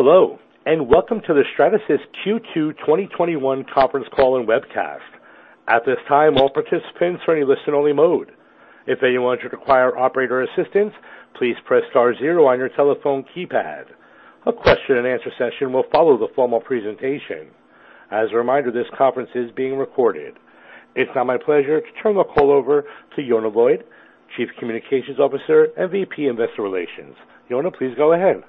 Hello, and welcome to the Stratasys Q2 2021 conference call and webcast. At this time, all participants are in listen only mode. If anyone should require operator assistance, please press star zero on your telephone keypad. A question and answer session will follow the formal presentation. As a reminder, this conference is being recorded. It's now my pleasure to turn the call over to Yonah Lloyd, Chief Communications Officer and VP Investor Relations. Yonah, please go ahead.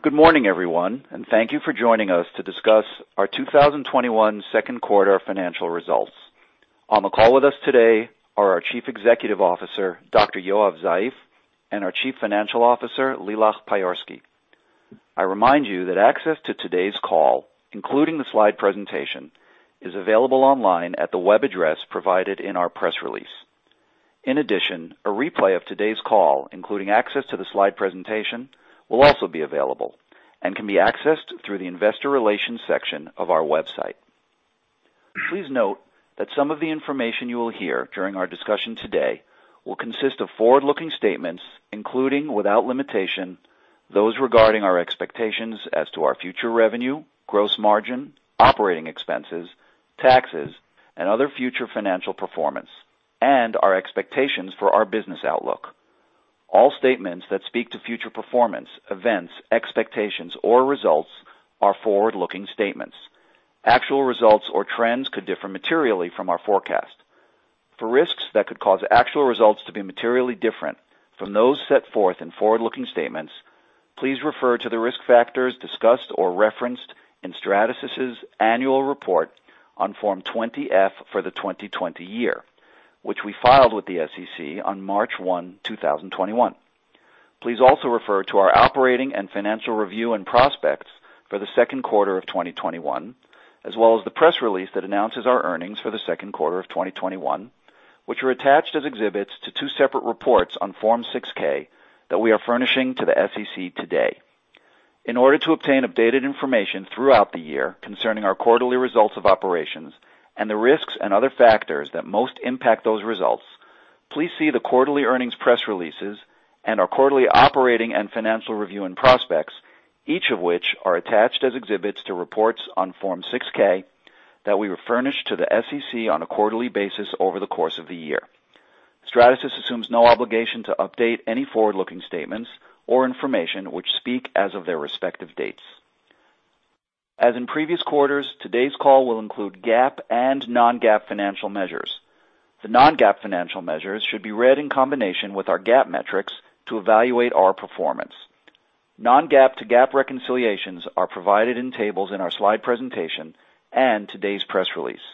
Good morning, everyone, and thank you for joining us to discuss our 2021 second quarter financial results. On the call with us today are our Chief Executive Officer, Dr. Yoav Zeif, and our Chief Financial Officer, Lilach Payorski. I remind you that access to today's call, including the slide presentation, is available online at the web address provided in our press release. In addition, a replay of today's call, including access to the slide presentation, will also be available and can be accessed through the investor relations section of our website. Please note that some of the information you will hear during our discussion today will consist of forward-looking statements, including, without limitation, those regarding our expectations as to our future revenue, gross margin, operating expenses, taxes and other future financial performance, and our expectations for our business outlook. All statements that speak to future performance, events, expectations, or results are forward-looking statements. Actual results or trends could differ materially from our forecast. For risks that could cause actual results to be materially different from those set forth in forward-looking statements, please refer to the risk factors discussed or referenced in Stratasys' annual report on Form 20-F for the 2020 year, which we filed with the SEC on March 1, 2021. Please also refer to our operating and financial review and prospects for the second quarter of 2021, as well as the press release that announces our earnings for the second quarter of 2021, which were attached as exhibits to two separate reports on Form 6-K that we are furnishing to the SEC today. In order to obtain updated information throughout the year concerning our quarterly results of operations and the risks and other factors that most impact those results, please see the quarterly earnings press releases and our quarterly operating and financial review and prospects, each of which are attached as exhibits to reports on Form 6-K that we furnish to the SEC on a quarterly basis over the course of the year. Stratasys assumes no obligation to update any forward-looking statements or information which speak as of their respective dates. As in previous quarters, today's call will include GAAP and non-GAAP financial measures. The non-GAAP financial measures should be read in combination with our GAAP metrics to evaluate our performance. Non-GAAP to GAAP reconciliations are provided in tables in our slide presentation and today's press release.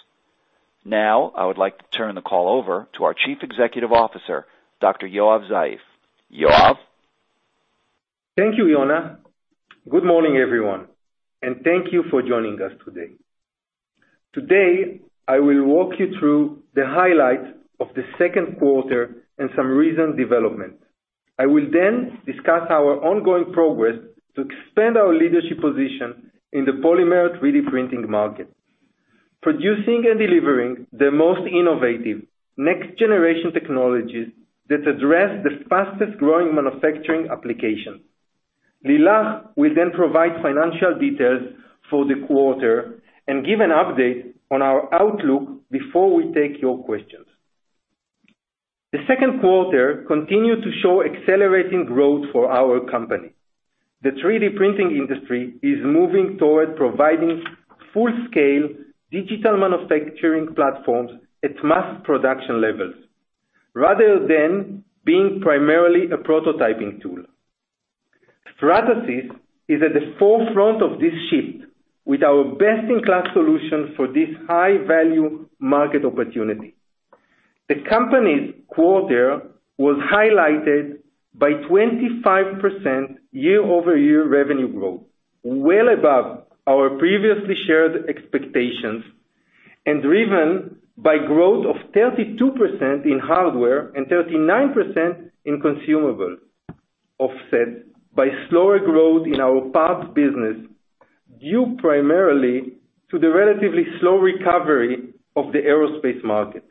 Now, I would like to turn the call over to our Chief Executive Officer, Dr. Yoav Zeif. Yoav? Thank you, Yonah. Good morning, everyone, and thank you for joining us today. Today, I will walk you through the highlights of the second quarter and some recent developments. I will discuss our ongoing progress to expand our leadership position in the polymer 3D printing market, producing and delivering the most innovative next generation technologies that address the fastest-growing manufacturing application. Lilach will provide financial details for the quarter and give an update on our outlook before we take your questions. The second quarter continued to show accelerating growth for our company. The 3D printing industry is moving toward providing full-scale digital manufacturing platforms at mass production levels, rather than being primarily a prototyping tool. Stratasys is at the forefront of this shift with our best-in-class solution for this high-value market opportunity. The company's quarter was highlighted by 25% year-over-year revenue growth, well above our previously shared expectations, and driven by growth of 32% in hardware and 39% in consumable, offset by slower growth in our parts business, due primarily to the relatively slow recovery of the aerospace market.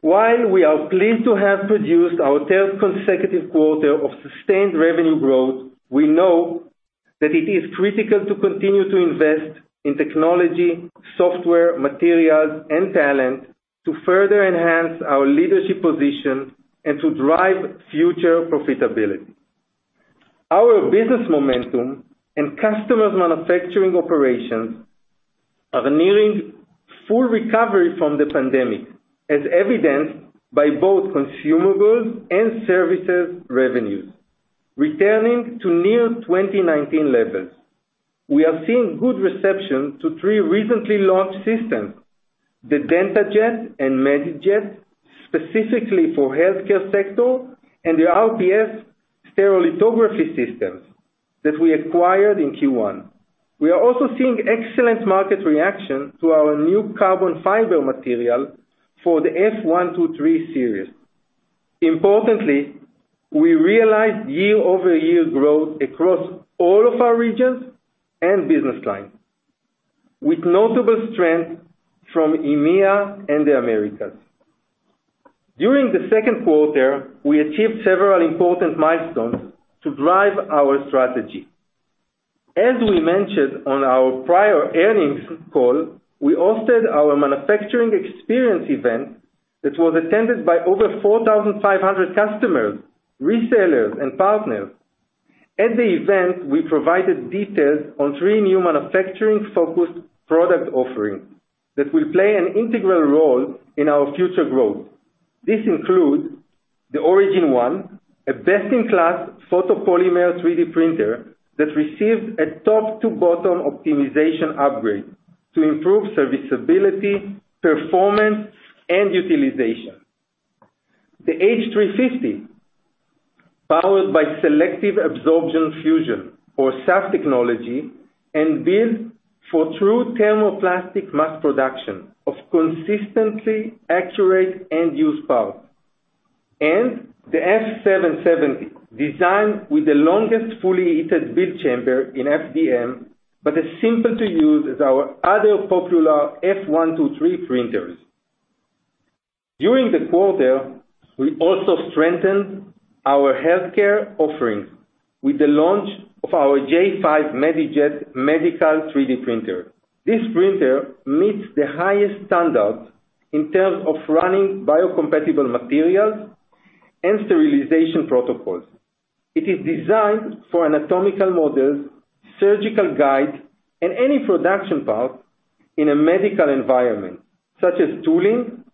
While we are pleased to have produced our third consecutive quarter of sustained revenue growth, we know that it is critical to continue to invest in technology, software, materials, and talent to further enhance our leadership position and to drive future profitability. Our business momentum and customers' manufacturing operations are nearing full recovery from the pandemic, as evidenced by both consumables and services revenues returning to near 2019 levels. We are seeing good reception to three recently launched systems, the DentaJet and MediJet, specifically for healthcare sector, and the RPS stereolithography systems that we acquired in Q1. We are also seeing excellent market reaction to our new carbon fiber material for the F123 series. Importantly, we realized year-over-year growth across all of our regions and business lines, with notable strength from EMEA and the Americas. During the second quarter, we achieved several important milestones to drive our strategy. As we mentioned on our prior earnings call, we hosted our manufacturing experience event that was attended by over 4,500 customers, resellers, and partners. At the event, we provided details on three new manufacturing-focused product offerings that will play an integral role in our future growth. This includes the Origin One, a best-in-class photopolymer 3D printer that received a top-to-bottom optimization upgrade to improve serviceability, performance, and utilization. The H350, powered by Selective Absorption Fusion or SAF technology and built for true thermoplastic mass production of consistently accurate end-use parts. The F770, designed with the longest fully heated build chamber in FDM, but as simple to use as our other popular F123 printers. During the quarter, we also strengthened our healthcare offerings with the launch of our J5 MediJet medical 3D printer. This printer meets the highest standards in terms of running biocompatible materials and sterilization protocols. It is designed for anatomical models, surgical guides, and any production part in a medical environment, such as tooling.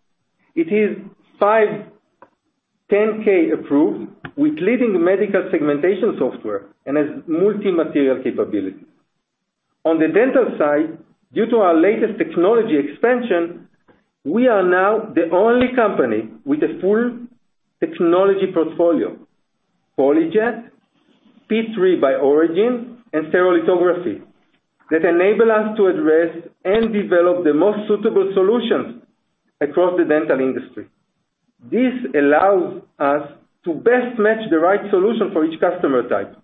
It is 510(k) approved with leading medical segmentation software and has multi-material capability. On the dental side, due to our latest technology expansion, we are now the only company with a full technology portfolio, PolyJet, P3 by Origin, and stereolithography, that enable us to address and develop the most suitable solutions across the dental industry. This allows us to best match the right solution for each customer type.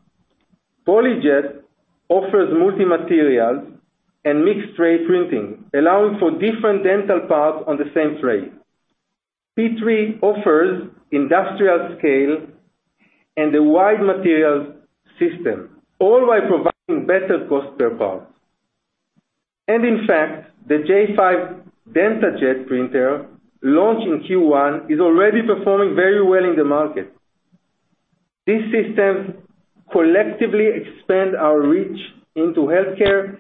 PolyJet offers multi-materials and mixed tray printing, allowing for different dental parts on the same tray. P3 offers industrial scale and a wide materials system, all while providing better cost per part. In fact, the J5 DentaJet printer launched in Q1 is already performing very well in the market. These systems collectively expand our reach into healthcare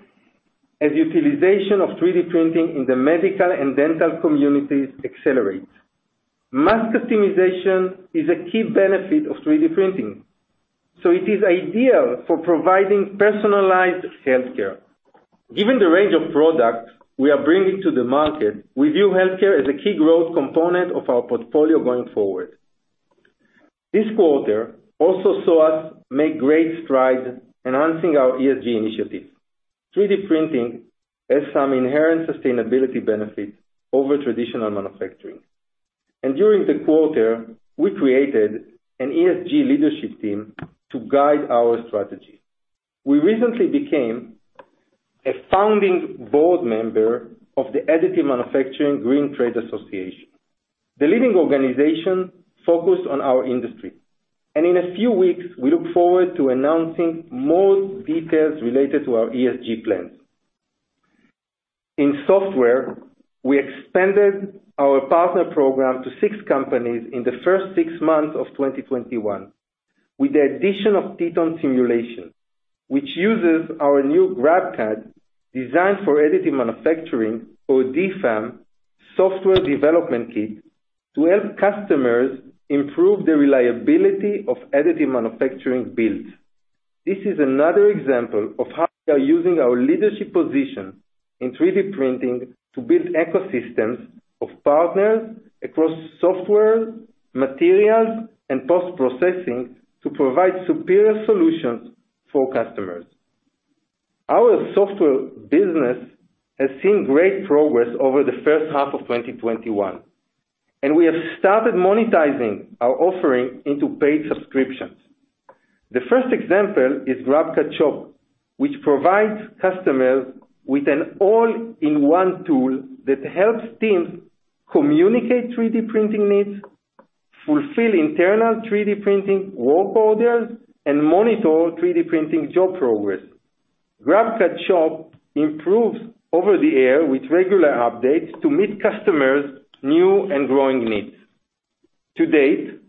as utilization of 3D printing in the medical and dental communities accelerates. Mass customization is a key benefit of 3D printing, so it is ideal for providing personalized healthcare. Given the range of products we are bringing to the market, we view healthcare as a key growth component of our portfolio going forward. This quarter also saw us make great strides enhancing our ESG initiatives. 3D printing has some inherent sustainability benefits over traditional manufacturing, and during the quarter, we created an ESG leadership team to guide our strategy. We recently became a founding board member of the Additive Manufacturer Green Trade Association, the leading organization focused on our industry. In a few weeks, we look forward to announcing more details related to our ESG plans. In software, we expanded our partner program to six companies in the first six months of 2021 with the addition of Teton Simulation, which uses our new GrabCAD designed for additive manufacturing or DFAM software development kit to help customers improve the reliability of additive manufacturing builds. This is another example of how we are using our leadership position in 3D printing to build ecosystems of partners across software, materials, and post-processing to provide superior solutions for customers. Our software business has seen great progress over the first half of 2021, and we have started monetizing our offering into paid subscriptions. The first example is GrabCAD Shop, which provides customers with an all-in-one tool that helps teams communicate 3D printing needs, fulfill internal 3D printing work orders, and monitor 3D printing job progress. GrabCAD Shop improves over the air with regular updates to meet customers' new and growing needs. To date,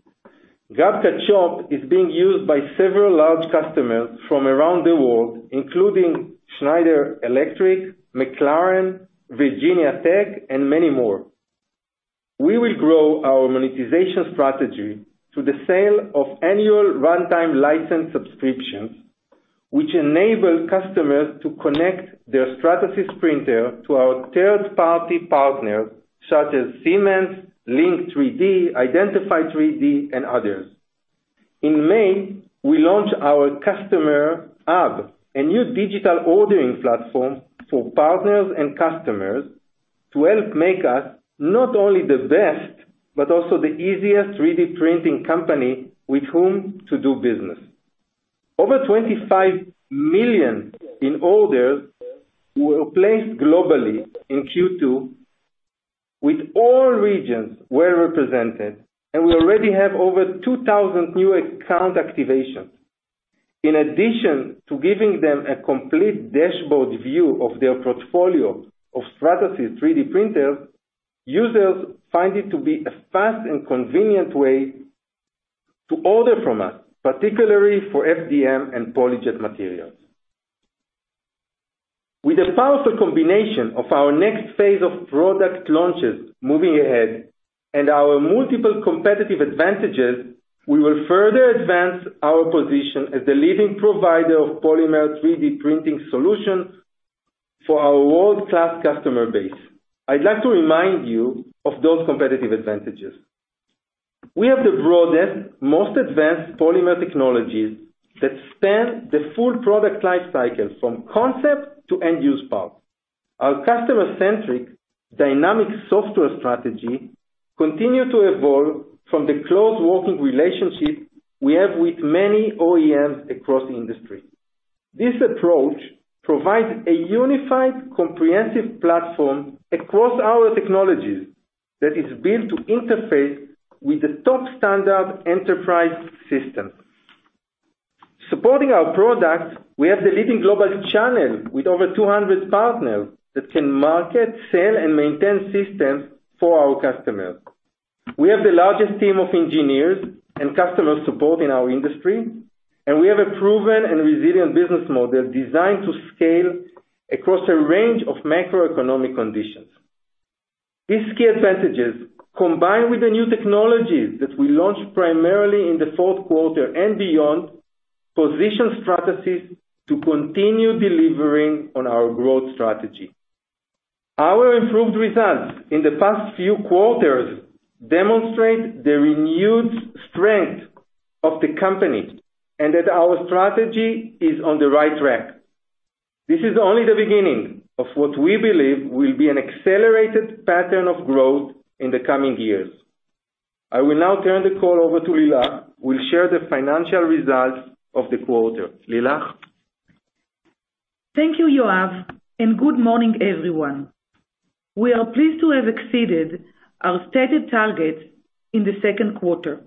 GrabCAD Shop is being used by several large customers from around the world, including Schneider Electric, McLaren, Virginia Tech, and many more. We will grow our monetization strategy through the sale of annual runtime license subscriptions, which enable customers to connect their Stratasys printer to our third-party partners such as Siemens, Link3D, Identify3D, and others. In May, we launched our Customer Hub, a new digital ordering platform for partners and customers to help make us not only the best, but also the easiest 3D printing company with whom to do business. Over $25 million in orders were placed globally in Q2, with all regions well-represented, and we already have over 2,000 new account activations. In addition to giving them a complete dashboard view of their portfolio of Stratasys 3D printers, users find it to be a fast and convenient way to order from us, particularly for FDM and PolyJet materials. With the powerful combination of our next phase of product launches moving ahead and our multiple competitive advantages, we will further advance our position as the leading provider of polymer 3D printing solutions for our world-class customer base. I'd like to remind you of those competitive advantages. We have the broadest, most advanced polymer technologies that span the full product life cycle from concept to end-use part. Our customer-centric dynamic software strategy continue to evolve from the close working relationship we have with many OEMs across the industry. This approach provides a unified, comprehensive platform across our technologies that is built to interface with the top standard enterprise systems. Supporting our products, we have the leading global channel with over 200 partners that can market, sell, and maintain systems for our customers. We have the largest team of engineers and customer support in our industry, and we have a proven and resilient business model designed to scale across a range of macroeconomic conditions. These key advantages, combined with the new technologies that we launch primarily in the fourth quarter and beyond, position Stratasys to continue delivering on our growth strategy. Our improved results in the past few quarters demonstrate the renewed strength of the company and that our strategy is on the right track. This is only the beginning of what we believe will be an accelerated pattern of growth in the coming years. I will now turn the call over to Lilach, who will share the financial results of the quarter. Lilach? Thank you, Yoav. Good morning, everyone. We are pleased to have exceeded our stated targets in the second quarter.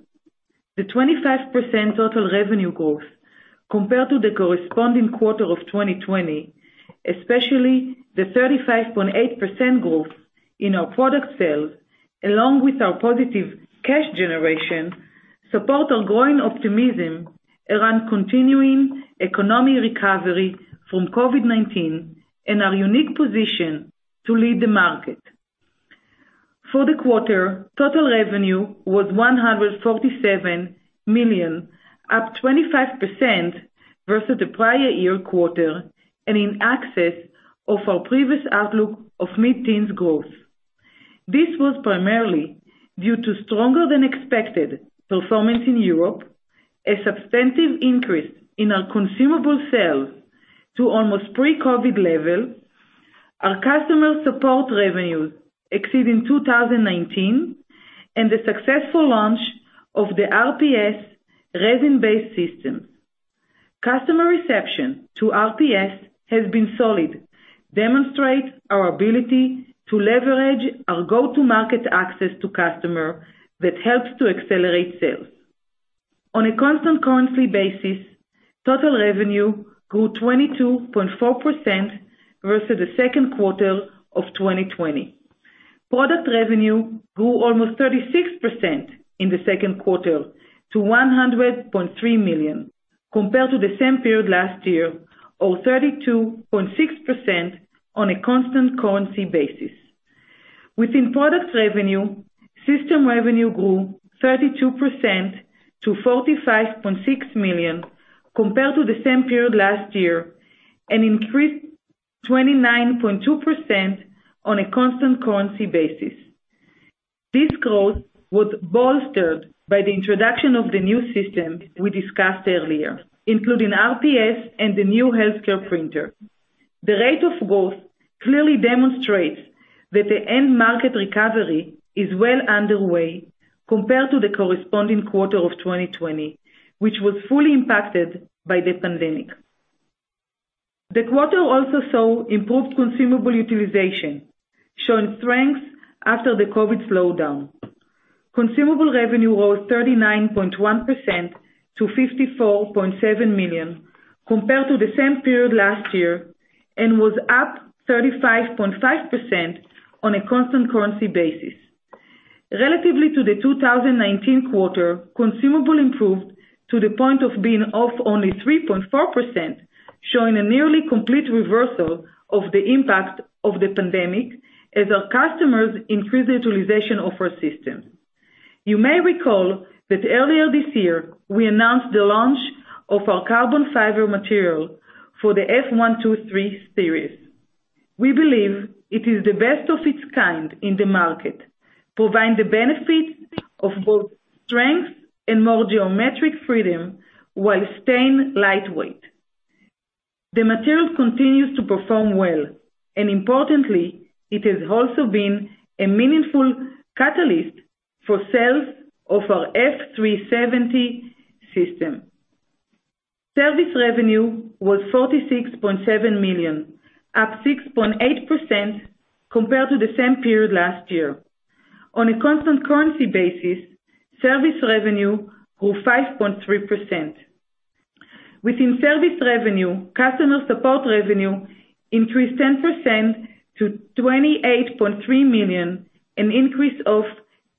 The 25% total revenue growth compared to the corresponding quarter of 2020, especially the 35.8% growth in our product sales, along with our positive cash generation, support our growing optimism around continuing economic recovery from COVID-19 and our unique position to lead the market. For the quarter, total revenue was $147 million, up 25% versus the prior year quarter and in excess of our previous outlook of mid-teens growth. This was primarily due to stronger-than-expected performance in Europe, a substantive increase in our consumable sales to almost pre-COVID level, our customer support revenues exceeding 2019, and the successful launch of the RPS resin-based system. Customer reception to RPS has been solid, demonstrate our ability to leverage our go-to-market access to customer that helps to accelerate sales. On a constant currency basis, total revenue grew 22.4% versus the second quarter of 2020. Product revenue grew almost 36% in the second quarter to $100.3 million compared to the same period last year, or 32.6% on a constant currency basis. Within products revenue, system revenue grew 32% to $45.6 million compared to the same period last year, and increased 29.2% on a constant currency basis. This growth was bolstered by the introduction of the new systems we discussed earlier, including RPS and the new healthcare printer. The rate of growth clearly demonstrates that the end market recovery is well underway compared to the corresponding quarter of 2020, which was fully impacted by the pandemic. The quarter also saw improved consumable utilization, showing strength after the COVID slowdown. Consumable revenue rose 39.1% to $54.7 million compared to the same period last year and was up 35.5% on a constant currency basis. Relative to the 2019 quarter, consumable improved to the point of being off only 3.4%, showing a nearly complete reversal of the impact of the pandemic as our customers increase the utilization of our system. You may recall that earlier this year, we announced the launch of our carbon fiber material for the F123 series. We believe it is the best of its kind in the market, providing the benefit of both strength and more geometric freedom while staying lightweight. The material continues to perform well, and importantly, it has also been a meaningful catalyst for sales of our F370 system. Service revenue was $46.7 million, up 6.8% compared to the same period last year. On a constant currency basis, service revenue grew 5.3%. Within service revenue, customer support revenue increased 10% to $28.3 million, an increase of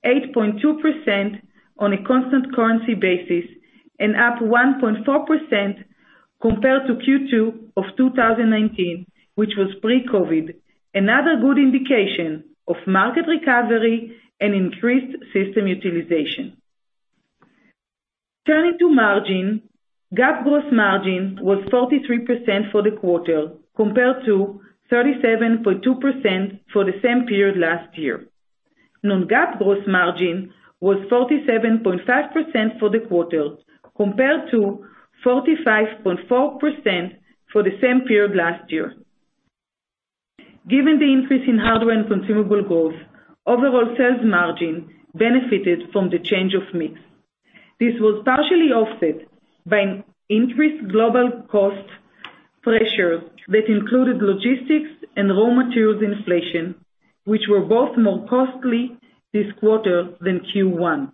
8.2% on a constant currency basis, and up 1.4% compared to Q2 of 2019, which was pre-COVID, another good indication of market recovery and increased system utilization. Turning to margin, GAAP gross margin was 43% for the quarter, compared to 37.2% for the same period last year. Non-GAAP gross margin was 47.5% for the quarter, compared to 45.4% for the same period last year. Given the increase in hardware and consumable growth, overall sales margin benefited from the change of mix. This was partially offset by an increased global cost pressure that included logistics and raw materials inflation, which were both more costly this quarter than Q1,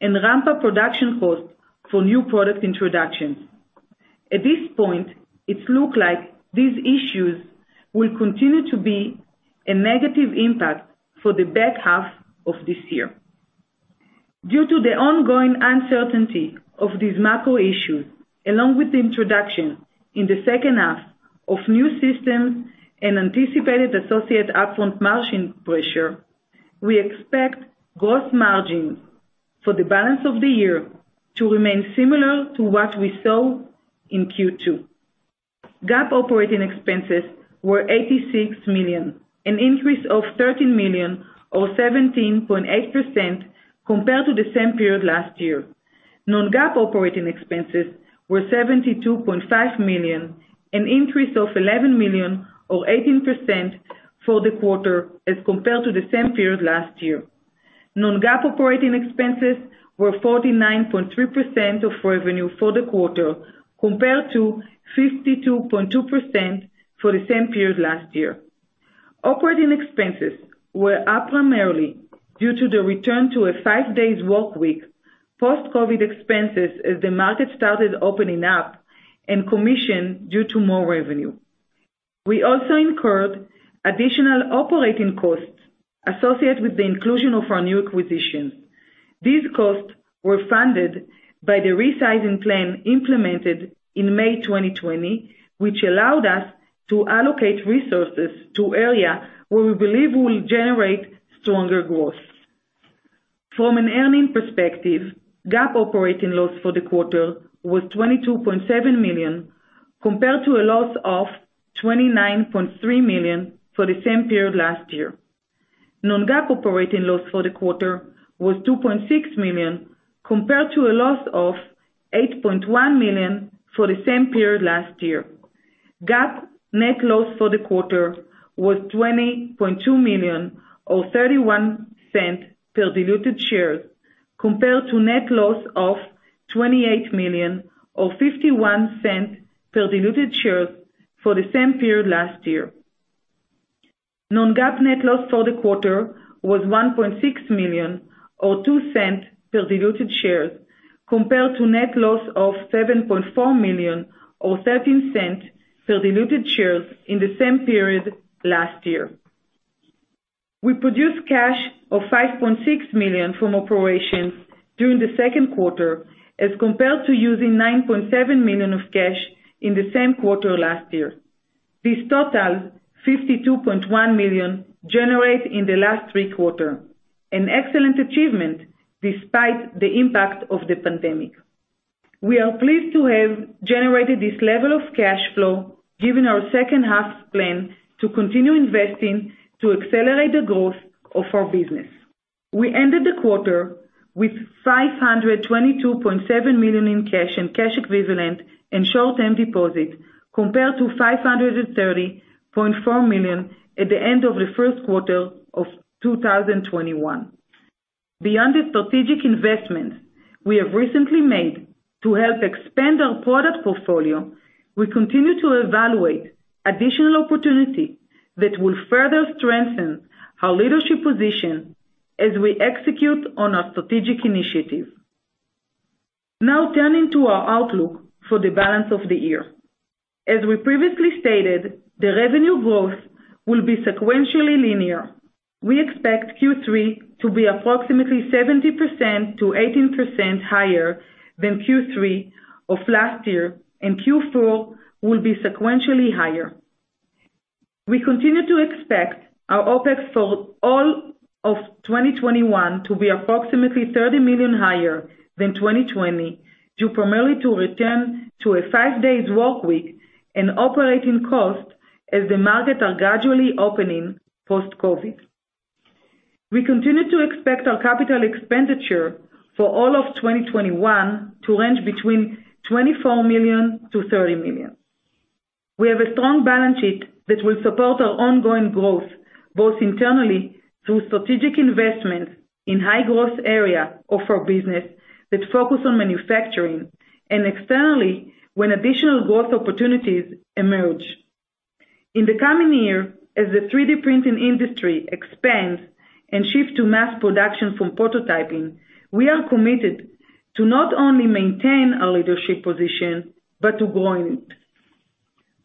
and ramped up production costs for new product introductions. At this point, it looks like these issues will continue to be a negative impact for the back half of this year. Due to the ongoing uncertainty of these macro issues, along with the introduction in the second half of new systems and anticipated associate upfront margin pressure, we expect gross margins for the balance of the year to remain similar to what we saw in Q2. GAAP operating expenses were $86 million, an increase of $13 million or 17.8% compared to the same period last year. Non-GAAP operating expenses were $72.5 million, an increase of $11 million or 18% for the quarter as compared to the same period last year. Non-GAAP operating expenses were 49.3% of revenue for the quarter, compared to 52.2% for the same period last year. Operating expenses were up primarily due to the return to a five-days workweek post-COVID expenses as the market started opening up, and commission due to more revenue. We also incurred additional operating costs associated with the inclusion of our new acquisitions. These costs were funded by the resizing plan implemented in May 2020, which allowed us to allocate resources to areas where we believe we will generate stronger growth. From an earning perspective, GAAP operating loss for the quarter was $22.7 million, compared to a loss of $29.3 million for the same period last year. Non-GAAP operating loss for the quarter was $2.6 million, compared to a loss of $8.1 million for the same period last year. GAAP net loss for the quarter was $20.2 million or $0.31 per diluted shares, compared to net loss of $28 million or $0.51 per diluted shares for the same period last year. Non-GAAP net loss for the quarter was $1.6 million or $0.02 per diluted shares, compared to net loss of $7.4 million or $0.13 per diluted shares in the same period last year. We produced cash of $5.6 million from operations during the second quarter as compared to using $9.7 million of cash in the same quarter last year. This totals $52.1 million generated in the last three quarters, an excellent achievement despite the impact of the pandemic. We are pleased to have generated this level of cash flow given our second half plan to continue investing to accelerate the growth of our business. We ended the quarter with $522.7 million in cash and cash equivalent and short-term deposits, compared to $530.4 million at the end of the first quarter of 2021. Beyond the strategic investments we have recently made to help expand our product portfolio, we continue to evaluate additional opportunities that will further strengthen our leadership position as we execute on our strategic initiatives. Now turning to our outlook for the balance of the year. As we previously stated, the revenue growth will be sequentially linear. We expect Q3 to be approximately 70%-80% higher than Q3 of last year, and Q4 will be sequentially higher. We continue to expect our OpEx for all of 2021 to be approximately $30 million higher than 2020, due primarily to return to a five days workweek and operating costs as the markets are gradually opening post-COVID. We continue to expect our capital expenditure for all of 2021 to range between $24 million-$30 million. We have a strong balance sheet that will support our ongoing growth, both internally through strategic investments in high-growth area of our business that focus on manufacturing, and externally when additional growth opportunities emerge. In the coming year, as the 3D printing industry expands and shifts to mass production from prototyping, we are committed to not only maintain our leadership position, but to grow in it.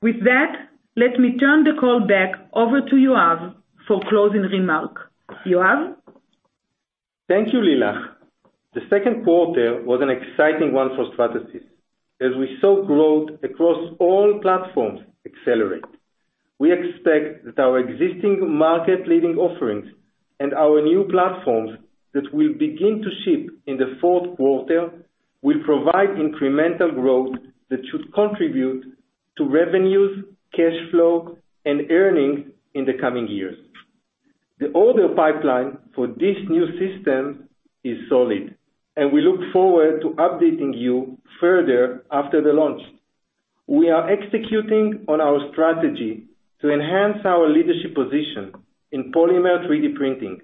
With that, let me turn the call back over to Yoav for closing remark. Yoav? Thank you, Lilach. The second quarter was an exciting one for Stratasys, as we saw growth across all platforms accelerate. We expect that our existing market-leading offerings and our new platforms that will begin to ship in the fourth quarter, will provide incremental growth that should contribute to revenues, cash flow, and earnings in the coming years. The order pipeline for this new system is solid, and we look forward to updating you further after the launch. We are executing on our strategy to enhance our leadership position in polymer 3D printing.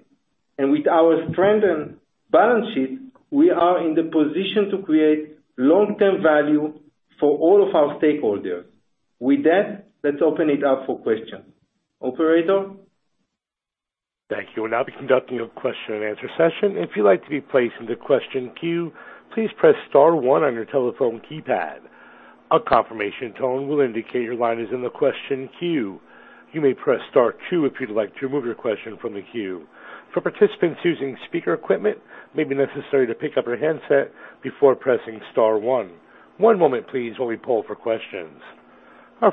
With our strengthened balance sheet, we are in the position to create long-term value for all of our stakeholders. With that, let's open it up for questions. Operator? Our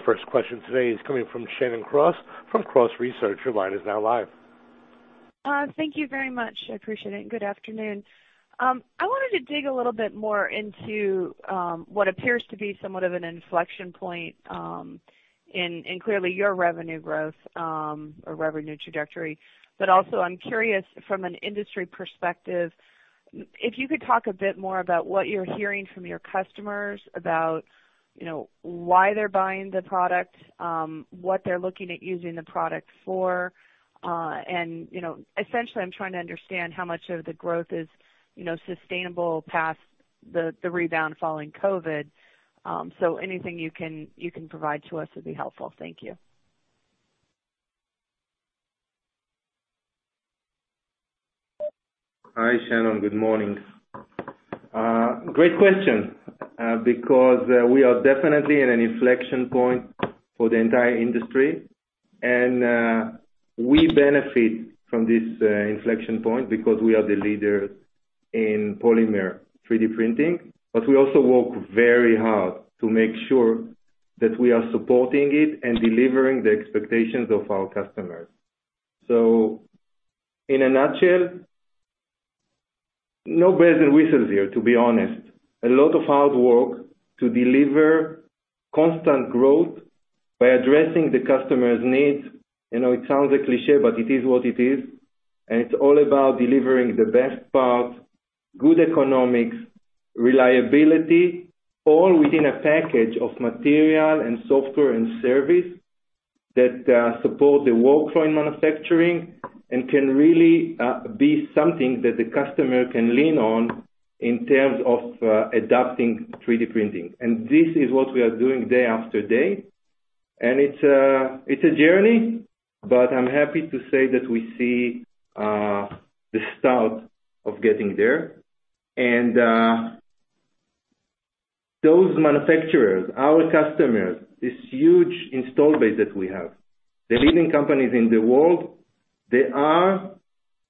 first question today is coming from Shannon Cross from Cross Research. Your line is now live. Thank you very much. I appreciate it. Good afternoon. I wanted to dig a little bit more into what appears to be somewhat of an inflection point in clearly your revenue growth, or revenue trajectory. Also, I'm curious from an industry perspective, if you could talk a bit more about what you're hearing from your customers about why they're buying the product, what they're looking at using the product for. Essentially, I'm trying to understand how much of the growth is sustainable past the rebound following COVID. Anything you can provide to us would be helpful. Thank you. Hi, Shannon. Good morning. Great question, because we are definitely in an inflection point for the entire industry. We benefit from this inflection point because we are the leader in polymer 3D printing. We also work very hard to make sure that we are supporting it and delivering the expectations of our customers. In a nutshell, no bells and whistles here, to be honest. A lot of hard work to deliver constant growth by addressing the customer's needs. It sounds a cliché, but it is what it is, and it's all about delivering the best part, good economics, reliability, all within a package of material and software and service that support the workflow in manufacturing and can really be something that the customer can lean on in terms of adapting 3D printing. This is what we are doing day after day, and it's a journey, but I'm happy to say that we see the start of getting there. Those manufacturers, our customers, this huge install base that we have, the leading companies in the world, they are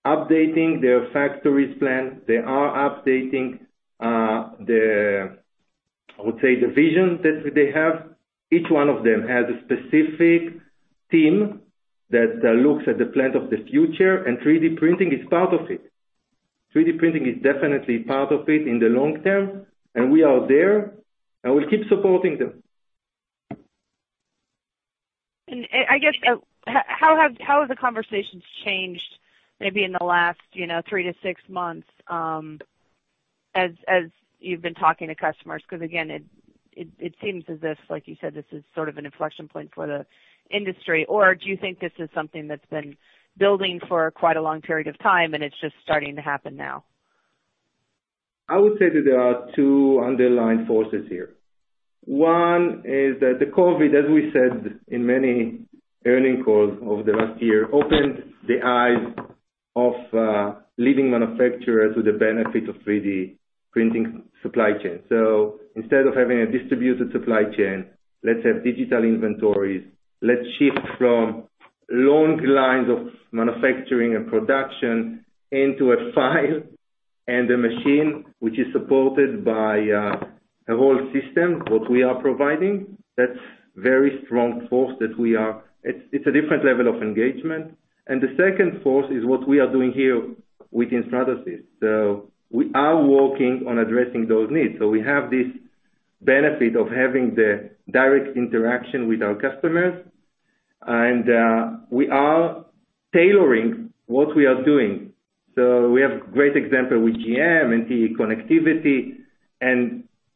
updating their factories plan. They are updating the, I would say, the vision that they have. Each one of them has a specific team that looks at the plan of the future, and 3D printing is part of it. 3D printing is definitely part of it in the long term, and we are there, and we'll keep supporting them. I guess, how have the conversations changed, maybe in the last three to six months, as you've been talking to customers? Again, it seems as if, like you said, this is sort of an inflection point for the industry. Do you think this is something that's been building for quite a long period of time and it's just starting to happen now? I would say that there are two underlying forces here. One is that the COVID-19, as we said in many earning calls over the last year, opened the eyes of leading manufacturers to the benefit of 3D printing supply chain. Instead of having a distributed supply chain, let's have digital inventories. Let's shift from long lines of manufacturing and production into a file and a machine which is supported by a whole system, what we are providing. That's very strong force. It's a different level of engagement. The second force is what we are doing here within Stratasys. We are working on addressing those needs. We have Benefit of having the direct interaction with our customers. We are tailoring what we are doing. We have great example with GM and TE Connectivity,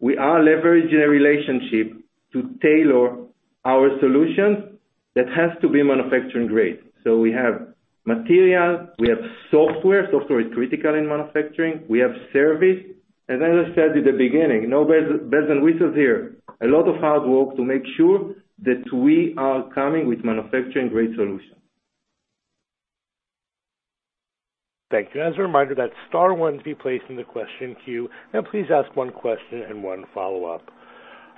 we are leveraging a relationship to tailor our solutions that has to be manufacturing-grade. We have material, we have software. Software is critical in manufacturing. We have service. As I said at the beginning, no bells and whistles here. A lot of hard work to make sure that we are coming with manufacturing-grade solutions. Thank you. As a reminder, that's star one to be placed in the question queue. Please ask one question and one follow-up.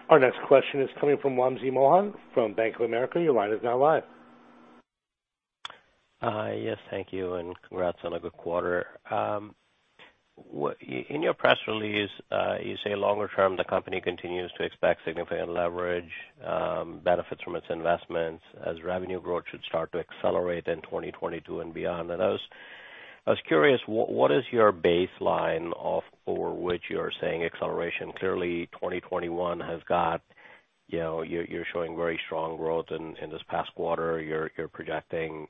Our next question is coming from Wamsi Mohan from Bank of America. Your line is now live. Hi. Yes, thank you, and congrats on a good quarter. In your press release, you say longer term, the company continues to expect significant leverage, benefits from its investments as revenue growth should start to accelerate in 2022 and beyond. I was curious, what is your baseline for which you're saying acceleration? Clearly 2021, you're showing very strong growth in this past quarter. You're projecting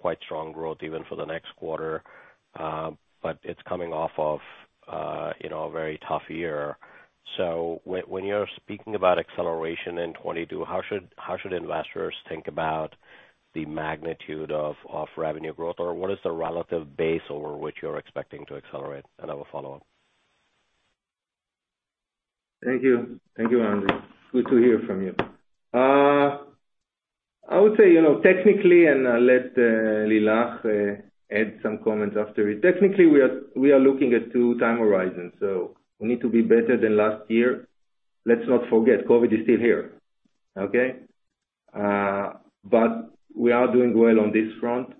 quite strong growth even for the next quarter. It's coming off of a very tough year. When you're speaking about acceleration in 2022, how should investors think about the magnitude of revenue growth, or what is the relative base over which you're expecting to accelerate? I have a follow-up. Thank you. Thank you, Wamsi. Good to hear from you. I would say, technically, and I'll let Lilach add some comments after it. Technically, we are looking at two time horizons. We need to be better than last year. Let's not forget, COVID is still here. Okay? We are doing well on this front,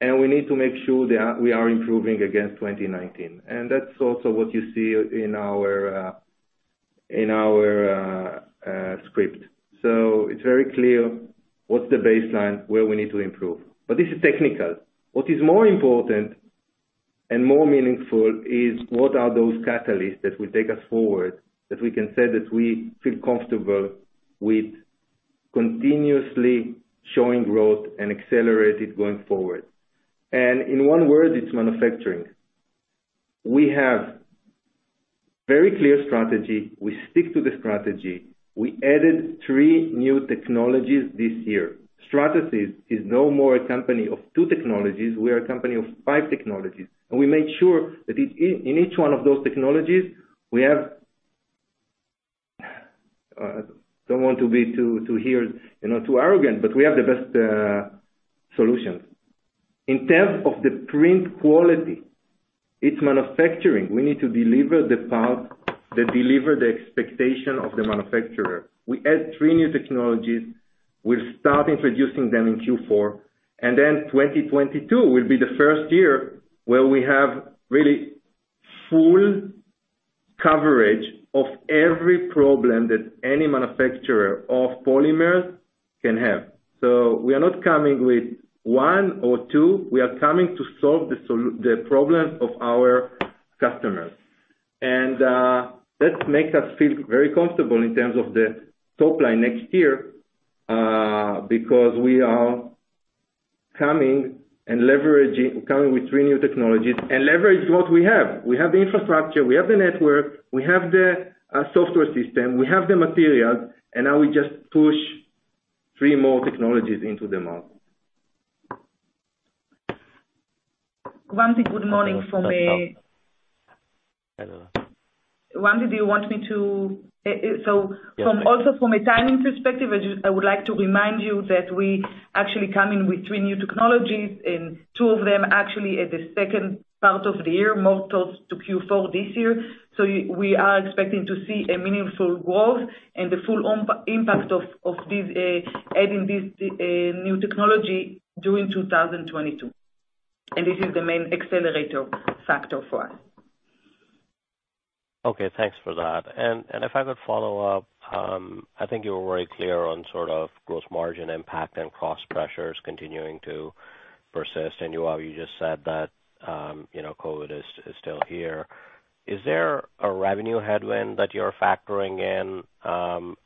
and we need to make sure we are improving against 2019. That's also what you see in our script. It's very clear what's the baseline, where we need to improve. This is technical. What is more important and more meaningful is what are those catalysts that will take us forward, that we can say that we feel comfortable with continuously showing growth and accelerated going forward. In one word, it's manufacturing. We have very clear strategy. We stick to the strategy. We added three new technologies this year. Stratasys is no more a company of two technologies. We are a company of five technologies, and we make sure that in each one of those technologies, I don't want to be too arrogant, but we have the best solutions. In terms of the print quality, it's manufacturing. We need to deliver the part that deliver the expectation of the manufacturer. We add three new technologies. We'll start introducing them in Q4. 2022 will be the first year where we have really full coverage of every problem that any manufacturer of polymers can have. We are not coming with one or two. We are coming to solve the problem of our customers. That makes us feel very comfortable in terms of the top line next year, because we are coming with three new technologies and leverage what we have. We have the infrastructure, we have the network, we have the software system, we have the materials, and now we just push three more technologies into the market. Wamsi, good morning from me. Hello. Wamsi, do you want me to also from a timing perspective, I would like to remind you that we actually come in with three new technologies, and two of them actually at the second part of the year, more close to Q4 this year. We are expecting to see a meaningful growth and the full impact of adding this new technology during 2022. This is the main accelerator factor for us. Okay, thanks for that. If I could follow up, I think you were very clear on sort of gross margin impact and cost pressures continuing to persist. Yoav, you just said that COVID is still here. Is there a revenue headwind that you're factoring in,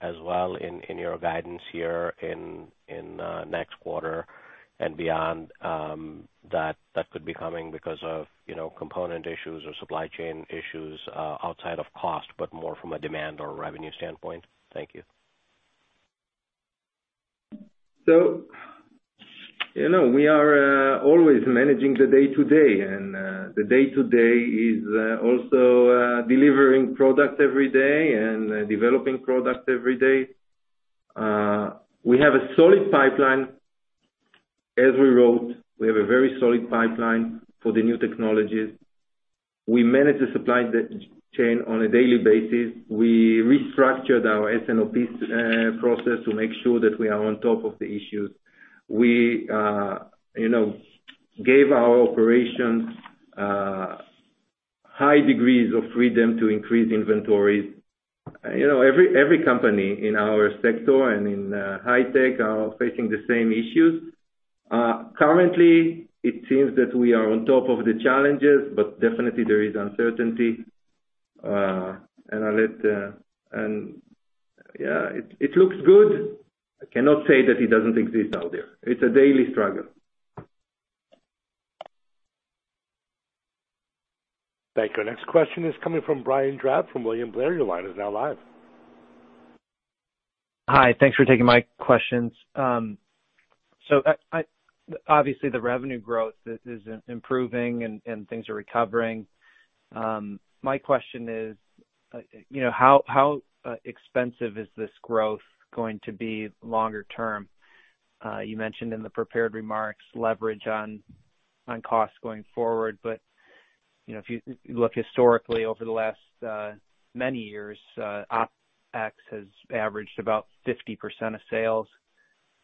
as well in your guidance here in next quarter and beyond, that could be coming because of component issues or supply chain issues, outside of cost, but more from a demand or revenue standpoint? Thank you. We are always managing the day-to-day, and the day-to-day is also delivering product every day and developing product every day. We have a solid pipeline. As we wrote, we have a very solid pipeline for the new technologies. We manage the supply chain on a daily basis. We restructured our S&OP process to make sure that we are on top of the issues. We gave our operations high degrees of freedom to increase inventories. Every company in our sector and in high tech are facing the same issues. Currently, it seems that we are on top of the challenges, but definitely there is uncertainty. It looks good. I cannot say that it doesn't exist out there. It's a daily struggle. Thank you. Our next question is coming from Brian Drab from William Blair. Your line is now live. Hi. Thanks for taking my questions. Obviously, the revenue growth is improving and things are recovering. My question is, how expensive is this growth going to be longer term? You mentioned in the prepared remarks leverage on cost going forward. If you look historically over the last many years, OpEx has averaged about 50% of sales.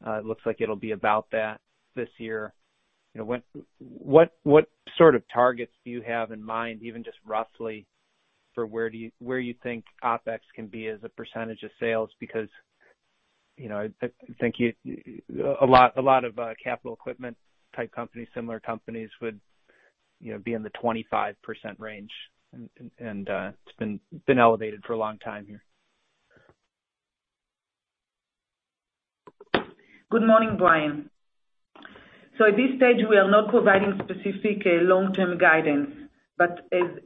It looks like it'll be about that this year. What sort of targets do you have in mind, even just roughly, for where you think OpEx can be as a percentage of sales? I think a lot of capital equipment type companies, similar companies would be in the 25% range, and it's been elevated for a long time here. Good morning, Brian. At this stage, we are not providing specific long-term guidance.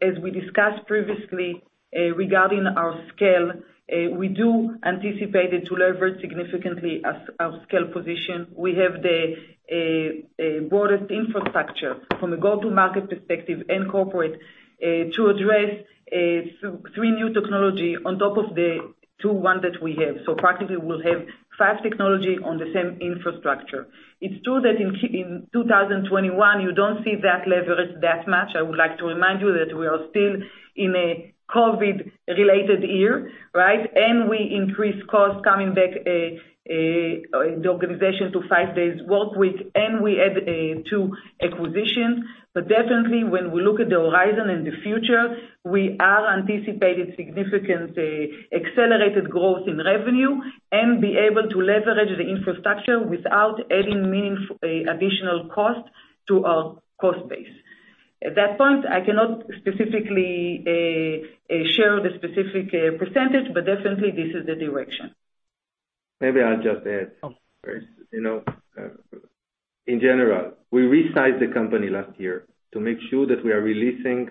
As we discussed previously regarding our scale, we do anticipate it to leverage significantly our scale position. We have the broadest infrastructure from a go-to-market perspective and corporate, to address three new technology on top of the two, one that we have. Practically, we'll have five technology on the same infrastructure. It's true that in 2021, you don't see that leverage that much. I would like to remind you that we are still in a COVID-related year, right? We increase cost coming back the organization to five days workweek, and we add two acquisitions. Definitely, when we look at the horizon in the future, we are anticipating significant accelerated growth in revenue and be able to leverage the infrastructure without adding additional cost to our cost base. At that point, I cannot share the specific percentage, but definitely this is the direction. Maybe I'll just add. In general, we resized the company last year to make sure that we are releasing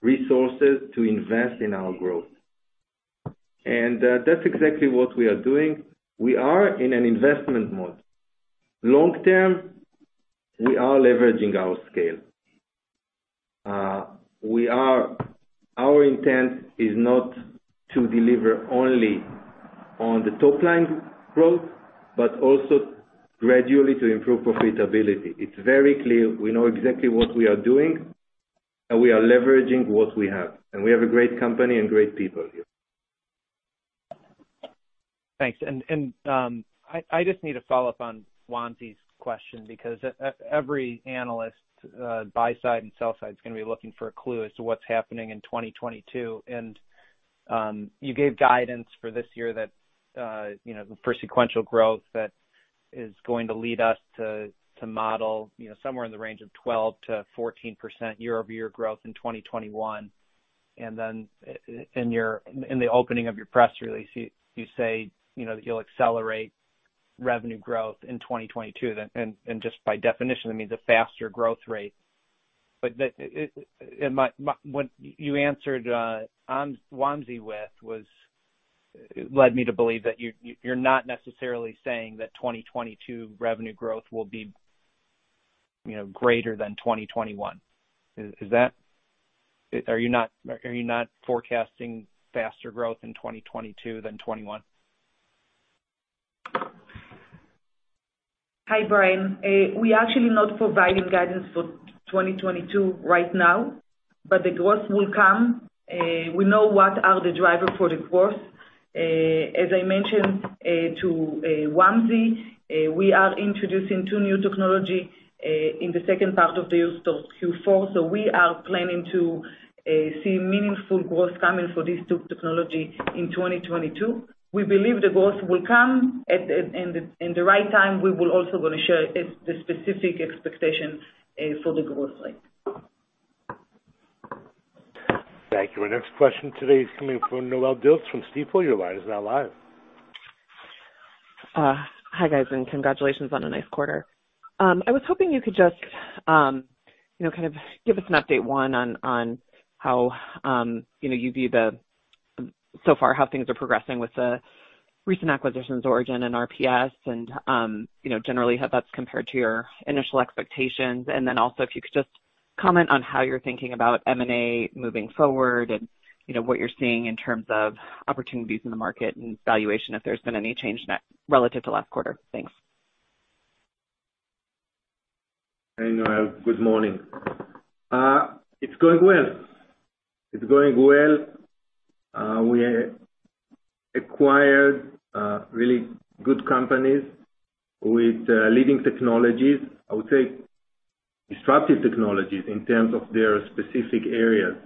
resources to invest in our growth. That's exactly what we are doing. We are in an investment mode. Long term, we are leveraging our scale. Our intent is not to deliver only on the top line growth, but also gradually to improve profitability. It's very clear. We know exactly what we are doing, and we are leveraging what we have. We have a great company and great people here. Thanks. I just need to follow up on Wamsi's question because every analyst, buy side and sell side, is going to be looking for a clue as to what's happening in 2022. You gave guidance for this year for sequential growth that is going to lead us to model somewhere in the range of 12%-14% year-over-year growth in 2021. In the opening of your press release, you say that you'll accelerate revenue growth in 2022. Just by definition, that means a faster growth rate. What you answered Wamsi with led me to believe that you're not necessarily saying that 2022 revenue growth will be greater than 2021. Are you not forecasting faster growth in 2022 than 2021? Hi, Brian. We actually not providing guidance for 2022 right now, but the growth will come. We know what are the driver for the growth. As I mentioned to Wamsi, we are introducing two new technology, in the second part of the year, so Q4. We are planning to see meaningful growth coming for these two technology in 2022. We believe the growth will come at the right time. We will also going to share the specific expectations for the growth rate. Thank you. Our next question today is coming from Noelle Dilts from Stifel. Your line is now live. Hi, guys. Congratulations on a nice quarter. I was hoping you could just kind of give us an update, one, on so far how things are progressing with the recent acquisitions, Origin and RPS, generally how that's compared to your initial expectations. Also, if you could just comment on how you're thinking about M&A moving forward and what you're seeing in terms of opportunities in the market and valuation, if there's been any change in that relative to last quarter. Thanks. Hi, Noelle. Good morning. It's going well. We acquired really good companies with leading technologies. I would say disruptive technologies in terms of their specific areas.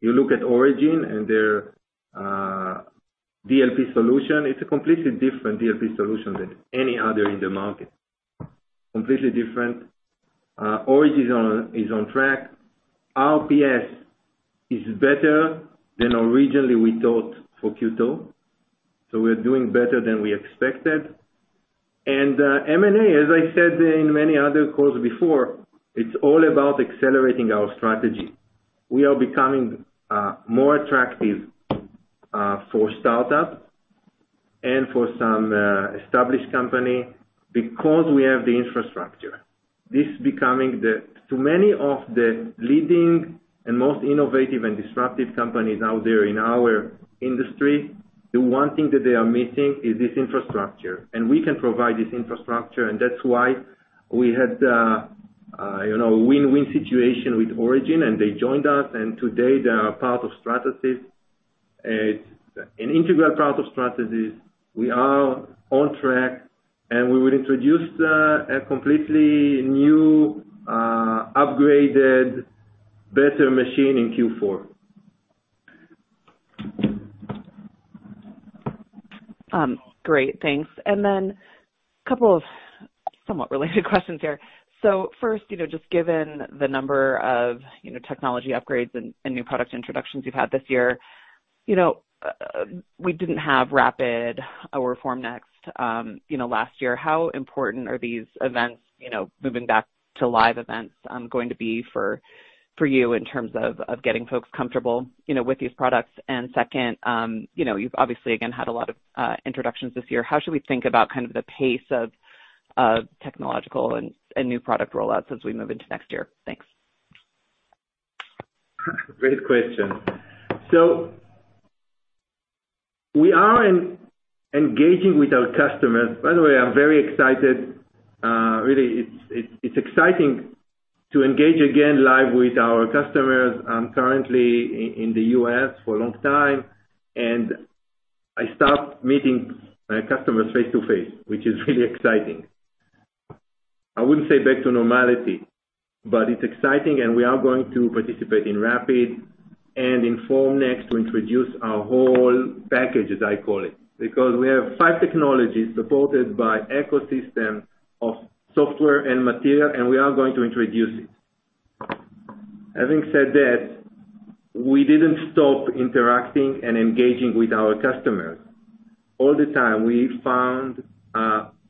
You look at Origin and their DLP solution, it's a completely different DLP solution than any other in the market. Completely different. Origin is on track. RPS is better than originally we thought for Q2. We are doing better than we expected. M&A, as I said in many other calls before, it's all about accelerating our strategy. We are becoming more attractive for startup and for some established company, because we have the infrastructure. To many of the leading and most innovative and disruptive companies out there in our industry, the one thing that they are missing is this infrastructure. We can provide this infrastructure, and that's why we had a win-win situation with Origin, and they joined us, and today they are part of Stratasys. An integral part of Stratasys. We are on track, and we will introduce a completely new, upgraded, better machine in Q4. Great, thanks. A couple of somewhat related questions here. First, just given the number of technology upgrades and new product introductions you've had this year, we didn't have RAPID or Formnext last year. How important are these events, moving back to live events, going to be for you in terms of getting folks comfortable with these products? Second, you've obviously again had a lot of introductions this year. How should we think about kind of the pace of technological and new product rollouts as we move into next year? Thanks. Great question. We are engaging with our customers. By the way, I'm very excited. Really, it's exciting to engage again live with our customers. I'm currently in the U.S. for a long time. I start meeting my customers face-to-face, which is really exciting. I wouldn't say back to normality, but it's exciting. We are going to participate in RAPID and in Formnext to introduce our whole package, as I call it, because we have five technologies supported by ecosystem of software and material. We are going to introduce it. Having said that, we didn't stop interacting and engaging with our customers. All the time, we found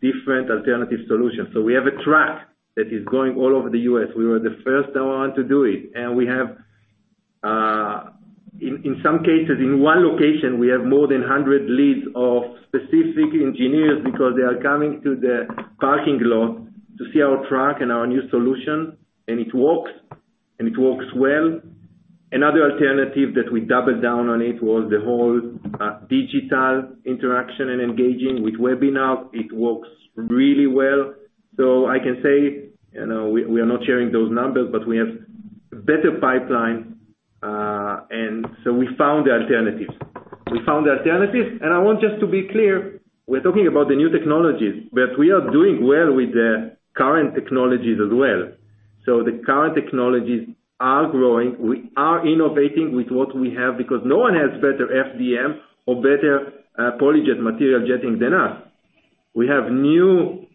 different alternative solutions. We have a track that is going all over the U.S. We were the first around to do it. In some cases, in one location, we have more than 100 leads of specific engineers because they are coming to the parking lot to see our truck and our new solution. It works, and it works well. Another alternative that we doubled down on it was the whole digital interaction and engaging with webinar. It works really well. I can say, we are not sharing those numbers. We have better pipeline. We found the alternatives. We found the alternatives. I want just to be clear, we're talking about the new technologies. We are doing well with the current technologies as well. The current technologies are growing. We are innovating with what we have because no one has better FDM or better PolyJet material jetting than us. We have new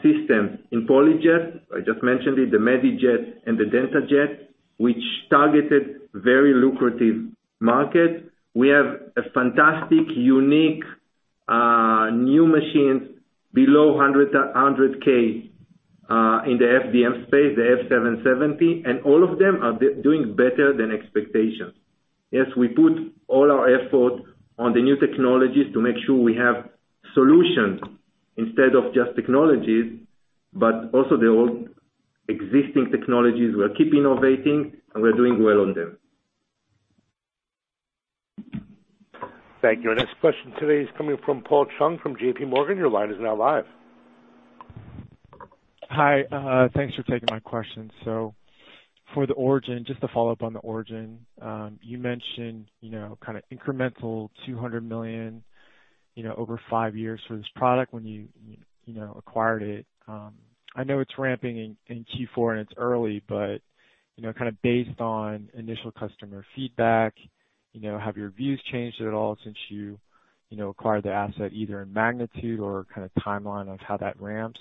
systems in PolyJet. I just mentioned it, the MediJet and the DentaJet, which targeted very lucrative market. We have a fantastic unique new machines below $100,000 in the FDM space, the F770. All of them are doing better than expectations. Yes, we put all our effort on the new technologies to make sure we have solutions instead of just technologies. Also the old existing technologies, we'll keep innovating, and we're doing well on them. Thank you. Our next question today is coming from Paul Chung from JPMorgan. Your line is now live. Hi. Thanks for taking my question. For the Origin, just to follow up on the Origin. You mentioned kind of incremental $200 million over five years for this product when you acquired it. I know it's ramping in Q4 and it's early, kind of based on initial customer feedback, have your views changed at all since you acquired the asset, either in magnitude or kind of timeline of how that ramps?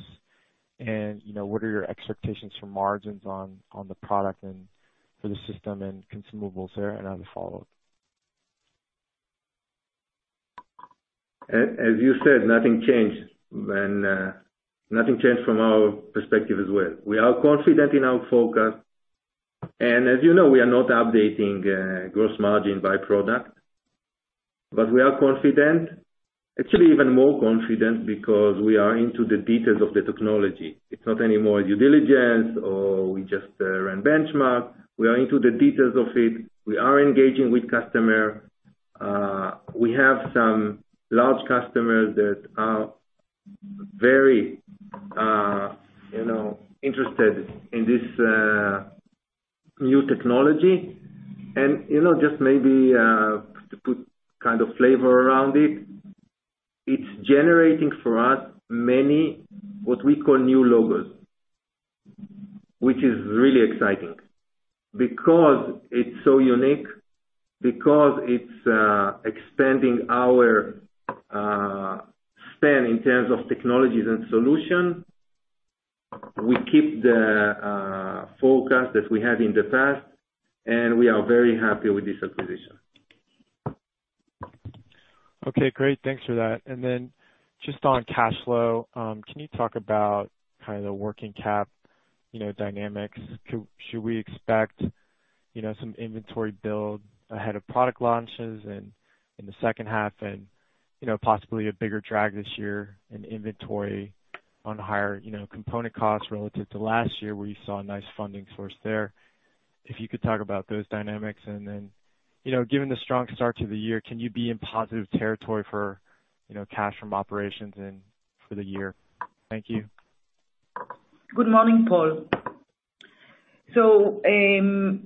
What are your expectations for margins on the product and for the system and consumables there? I have a follow-up. As you said, nothing changed from our perspective as well. We are confident in our forecast. As you know, we are not updating gross margin by product. We are confident, actually even more confident because we are into the details of the technology. It's not any more due diligence or we just ran benchmark. We are into the details of it. We are engaging with customer. We have some large customers that are very interested in this new technology. Just maybe to put kind of flavor around it. It's generating for us many, what we call new logos, which is really exciting because it's so unique, because it's expanding our span in terms of technologies and solution. We keep the forecast that we had in the past, and we are very happy with this acquisition. Okay, great. Thanks for that. Then just on cash flow, can you talk about kind of the working cap dynamics? Should we expect some inventory build ahead of product launches and in the second half and possibly a bigger drag this year in inventory on higher component costs relative to last year, where you saw a nice funding source there? If you could talk about those dynamics and then, given the strong start to the year, can you be in positive territory for cash from operations and for the year? Thank you. Good morning, Paul. Following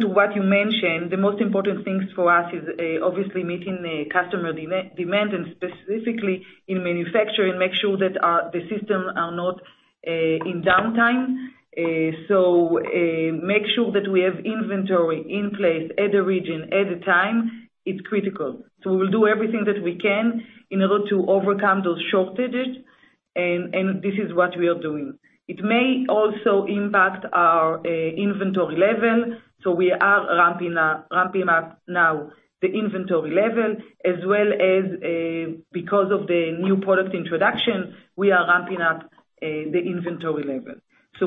to what you mentioned, the most important things for us is, obviously, meeting the customer demand, and specifically in manufacturing, make sure that the system are not in downtime. Make sure that we have inventory in place at the region, at the time, is critical. We will do everything that we can in order to overcome those shortages, and this is what we are doing. It may also impact our inventory level, so we are ramping up now the inventory level as well as, because of the new product introduction, we are ramping up the inventory level.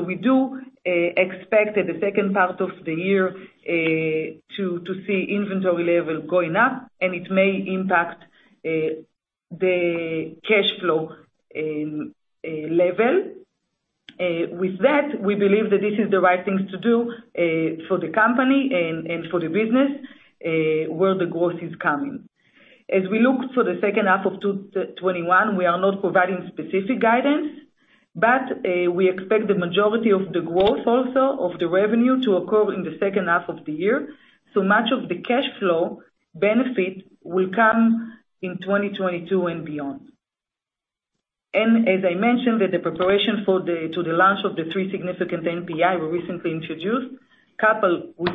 We do expect that the second part of the year to see inventory level going up, and it may impact the cash flow level. We believe that this is the right thing to do for the company and for the business, where the growth is coming. As we look for the second half of 2021, we are not providing specific guidance, we expect the majority of the growth also of the revenue to occur in the second half of the year. Much of the cash flow benefit will come in 2022 and beyond. As I mentioned, that the preparation to the launch of the three significant NPI we recently introduced, coupled with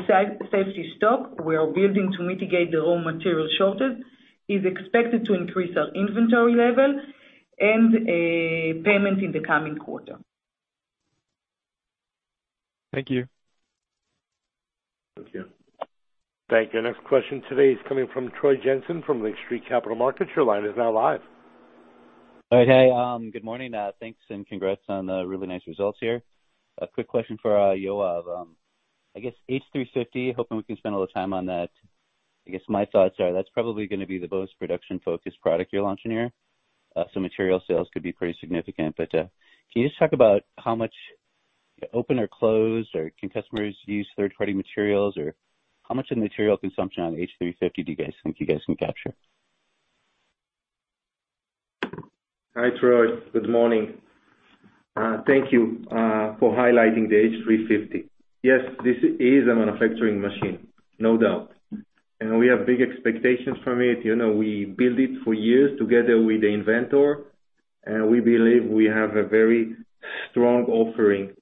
safety stock we are building to mitigate the raw material shortage, is expected to increase our inventory level and payment in the coming quarter. Thank you. Thank you. Thank you. Next question today is coming from Troy Jensen from Lake Street Capital Markets. Your line is now live. All right. Hey, good morning. Thanks and congrats on the really nice results here. A quick question for Yoav. I guess H350, hoping we can spend a little time on that. I guess my thoughts are, that's probably going to be the most production-focused product you're launching here. Material sales could be pretty significant. Can you just talk about how much open or closed, or can customers use third-party materials, or how much of the material consumption on H350 do you guys think you guys can capture? Hi, Troy. Good morning. Thank you for highlighting the H350. Yes, this is a manufacturing machine, no doubt. We have big expectations from it. We build it for years together with the inventor, and we believe we have a very strong offering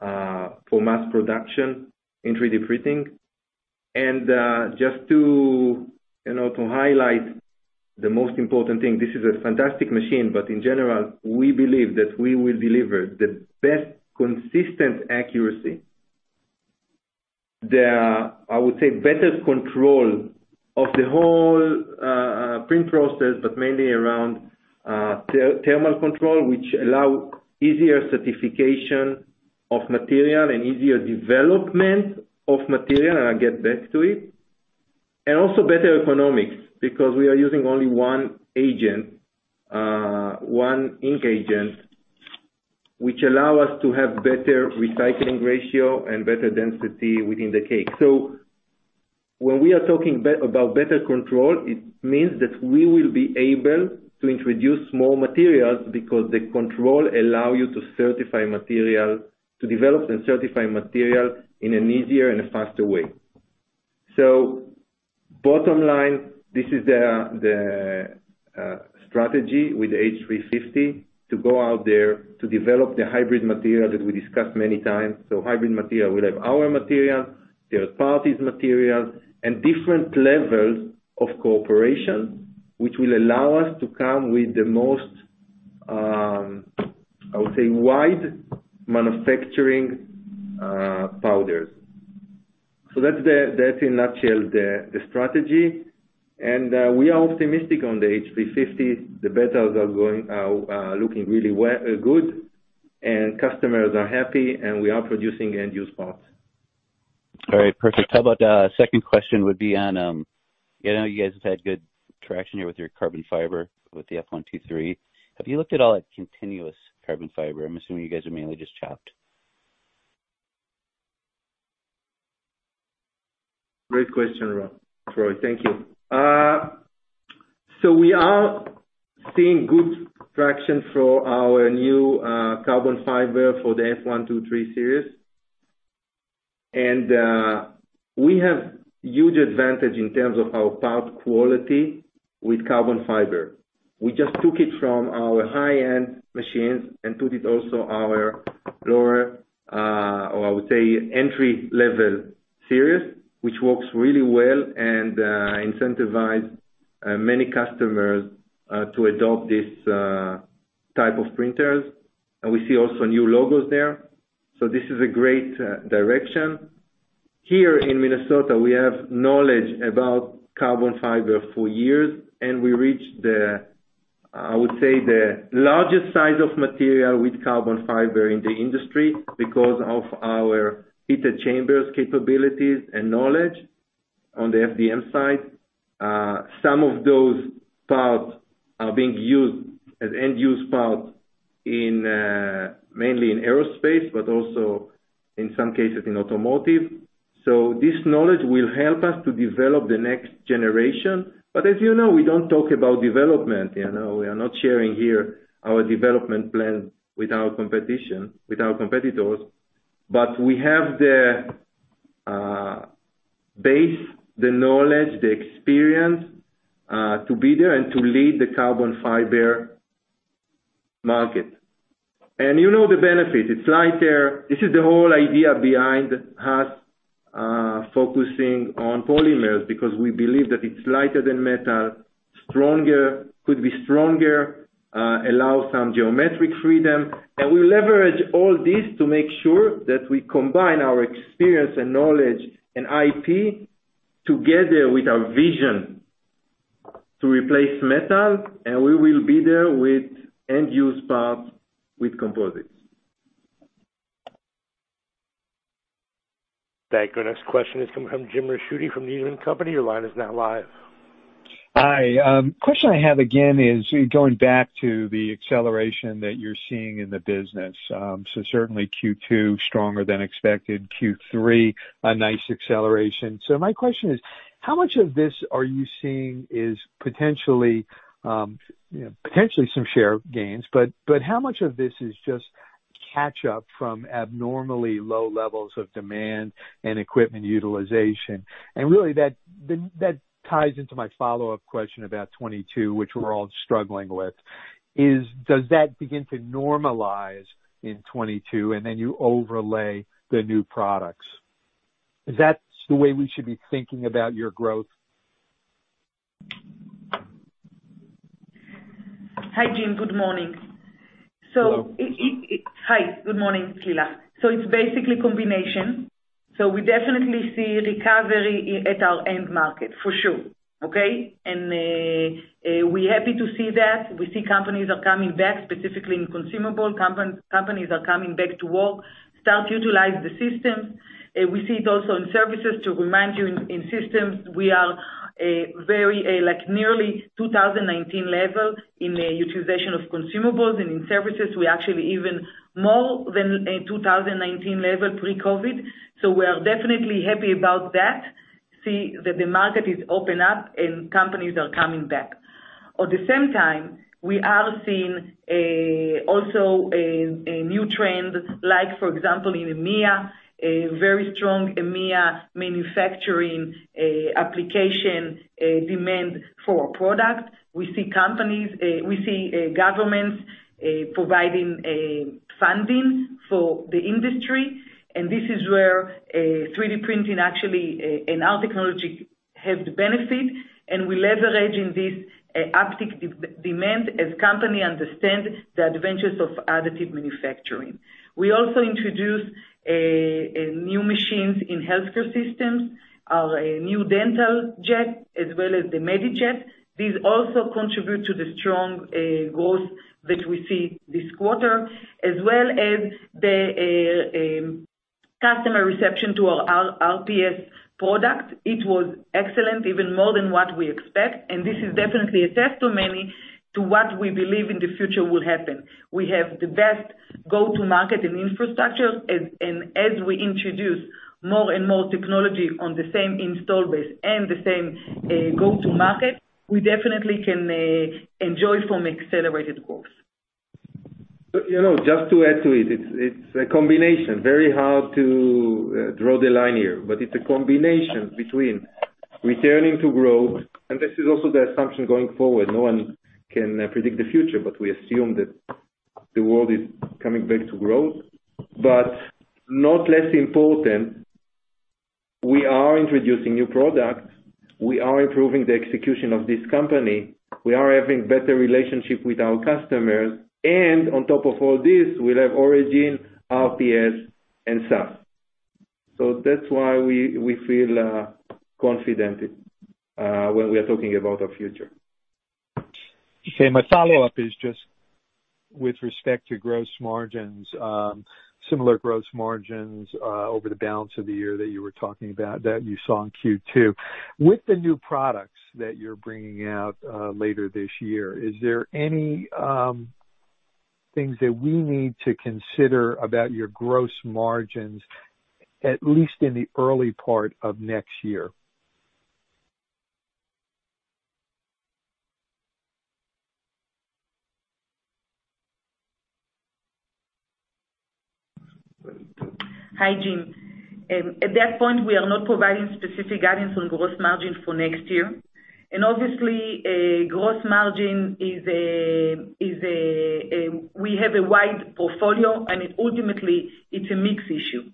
for mass production in 3D printing. Just to highlight the most important thing, this is a fantastic machine, but in general, we believe that we will deliver the best consistent accuracy. There are, I would say, better control of the whole print process, but mainly around thermal control, which allow easier certification of material and easier development of material, and I'll get back to it. Also better economics, because we are using only one agent, one ink agent, which allow us to have better recycling ratio and better density within the cake. When we are talking about better control, it means that we will be able to introduce more materials because the control allow you to develop and certify material in an easier and a faster way. Bottom line, this is the strategy with H350, to go out there to develop the hybrid material that we discussed many times. Hybrid material will have our material, third parties material, and different levels of cooperation, which will allow us to come with the most, I would say, wide manufacturing powders. That's in a nutshell the strategy. We are optimistic on the H350. The betas are looking really good, and customers are happy, and we are producing end-use parts. All right. Perfect. How about, second question would be on. I know you guys have had good traction here with your carbon fiber with the F123. Have you looked at all at continuous carbon fiber? I'm assuming you guys are mainly just chopped. Great question, Troy. Thank you. We are seeing good traction for our new carbon fiber for the F123 series. We have huge advantage in terms of our part quality with carbon fiber. We just took it from our high-end machines and put it also our lower, or I would say entry-level series, which works really well and incentivize many customers to adopt this type of printers. We see also new logos there. This is a great direction. Here in Minnesota, we have knowledge about carbon fiber for years, and we reached the, I would say, the largest size of material with carbon fiber in the industry because of our heated chambers capabilities and knowledge on the FDM side. Some of those parts are being used as end-use parts mainly in aerospace, but also in some cases in automotive. This knowledge will help us to develop the next generation. As you know, we don't talk about development. We are not sharing here our development plan with our competitors, but we have the base, the knowledge, the experience, to be there and to lead the carbon fiber market. You know the benefit, it's lighter. This is the whole idea behind us focusing on polymers because we believe that it's lighter than metal, could be stronger, allow some geometric freedom. We leverage all this to make sure that we combine our experience and knowledge and IP together with our vision to replace metal, and we will be there with end-use parts with composites. Thank you. Next question is coming from Jim Ricchiuti from Needham & Company. Your line is now live. Hi. Question I have, again, is going back to the acceleration that you're seeing in the business. Certainly Q2, stronger than expected. Q3, a nice acceleration. My question is, how much of this are you seeing is potentially some share gains, but how much of this is just catch up from abnormally low levels of demand and equipment utilization? Really that ties into my follow-up question about 2022, which we're all struggling with, is does that begin to normalize in 2022, and then you overlay the new products? Is that the way we should be thinking about your growth? Hi, Jim. Good morning. Hello. Hi, good morning. It's Lilach. It's basically combination. We definitely see recovery at our end market, for sure. Okay? We happy to see that. We see companies are coming back, specifically in consumable. Companies are coming back to work, start utilize the system. We see it also in services. To remind you, in systems, we are nearly 2019 level in the utilization of consumables. In services, we actually even more than 2019 level pre-COVID. We are definitely happy about that, see that the market is open up and companies are coming back. At the same time, we are seeing also a new trend, like for example, in EMEA, a very strong EMEA manufacturing application demand for our product. We see governments providing funding for the industry. This is where 3D printing actually, and our technology have the benefit, and we leverage in this uptick demand as company understand the advantages of additive manufacturing. We also introduce new machines in healthcare systems, our new DentaJet as well as the MediJet. These also contribute to the strong growth that we see this quarter, as well as the customer reception to our RPS product. It was excellent, even more than what we expect. This is definitely a testimony to what we believe in the future will happen. We have the best go-to market and infrastructure. As we introduce more and more technology on the same install base and the same go-to market, we definitely can enjoy from accelerated growth. Just to add to it's a combination. Very hard to draw the line here, it's a combination between returning to growth, and this is also the assumption going forward. No one can predict the future, we assume that the world is coming back to growth. Not less important, we are introducing new products, we are improving the execution of this company, we are having better relationship with our customers, and on top of all this, we'll have Origin, RPS and SAF. That's why we feel confident when we are talking about our future. Okay. My follow-up is just with respect to gross margins, similar gross margins, over the balance of the year that you were talking about, that you saw in Q2. With the new products that you're bringing out later this year, is there any things that we need to consider about your gross margins, at least in the early part of next year? Hi, Jim. At that point, we are not providing specific guidance on gross margin for next year. Obviously, gross margin, we have a wide portfolio, and ultimately it's a mix issue.